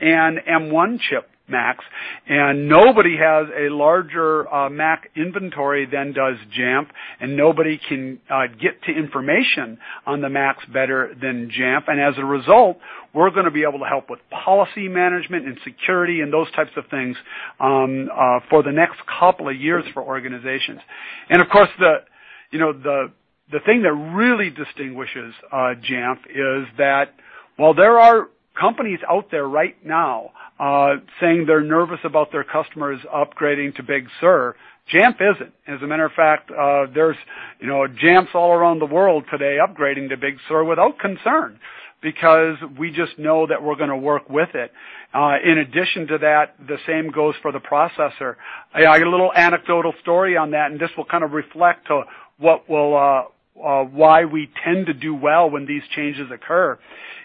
and M1 chip Macs, and nobody has a larger Mac inventory than does Jamf, and nobody can get to information on the Macs better than Jamf. As a result, we're going to be able to help with policy management and security and those types of things for the next couple of years for organizations. Of course, the thing that really distinguishes Jamf is that while there are companies out there right now saying they're nervous about their customers upgrading to Big Sur, Jamf isn't. As a matter of fact, there's Jamfs all around the world today upgrading to Big Sur without concern, because we just know that we're going to work with it. In addition to that, the same goes for the processor. I got a little anecdotal story on that. This will kind of reflect why we tend to do well when these changes occur,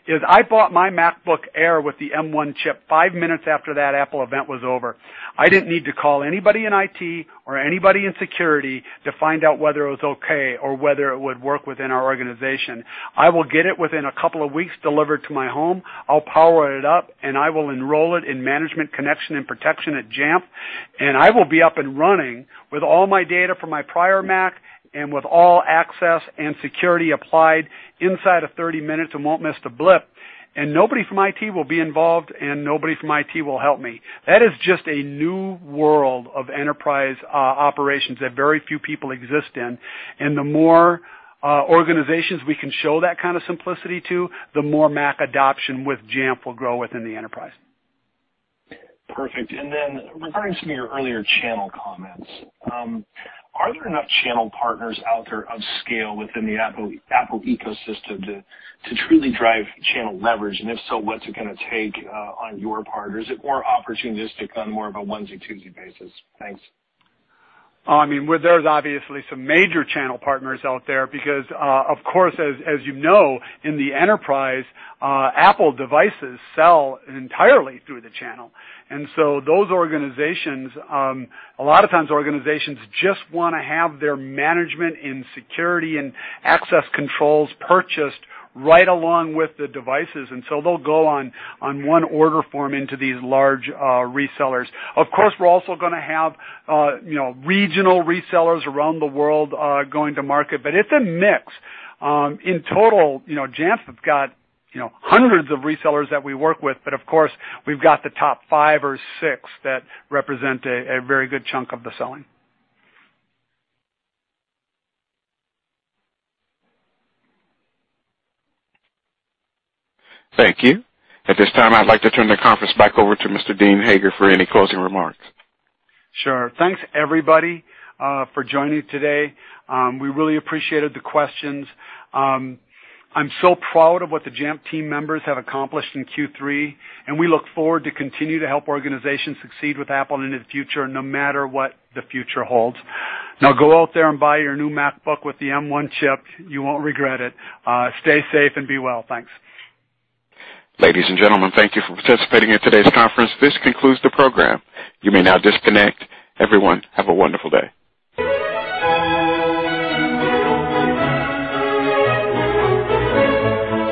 is I bought my MacBook Air with the M1 chip five minutes after that Apple event was over. I didn't need to call anybody in IT or anybody in security to find out whether it was okay or whether it would work within our organization. I will get it within a couple of weeks delivered to my home. I'll power it up, and I will enroll it in management, connection, and protection at Jamf, and I will be up and running with all my data from my prior Mac and with all access and security applied inside of 30 minutes and won't miss a blip, and nobody from IT will be involved, and nobody from IT will help me. That is just a new world of enterprise operations that very few people exist in. The more organizations we can show that kind of simplicity to, the more Mac adoption with Jamf will grow within the enterprise. Perfect. Regarding some of your earlier channel comments, are there enough channel partners out there of scale within the Apple ecosystem to truly drive channel leverage? If so, what's it going to take on your part? Is it more opportunistic on more of a onesie-twosie basis? Thanks. There's obviously some major channel partners out there because, of course, as you know, in the enterprise, Apple devices sell entirely through the channel. Those organizations, a lot of times, organizations just want to have their management and security and access controls purchased right along with the devices, and so they'll go on one order form into these large resellers. Of course, we're also going to have regional resellers around the world going to market. It's a mix. In total, Jamf have got hundreds of resellers that we work with. Of course, we've got the top five or six that represent a very good chunk of the selling. Thank you. At this time, I'd like to turn the conference back over to Mr. Dean Hager for any closing remarks. Sure. Thanks, everybody, for joining today. We really appreciated the questions. I'm so proud of what the Jamf team members have accomplished in Q3, and we look forward to continue to help organizations succeed with Apple into the future, no matter what the future holds. Now, go out there and buy your new MacBook with the M1 chip. You won't regret it. Stay safe and be well. Thanks. Ladies and gentlemen, thank you for participating in today's conference. This concludes the program. You may now disconnect. Everyone, have a wonderful day.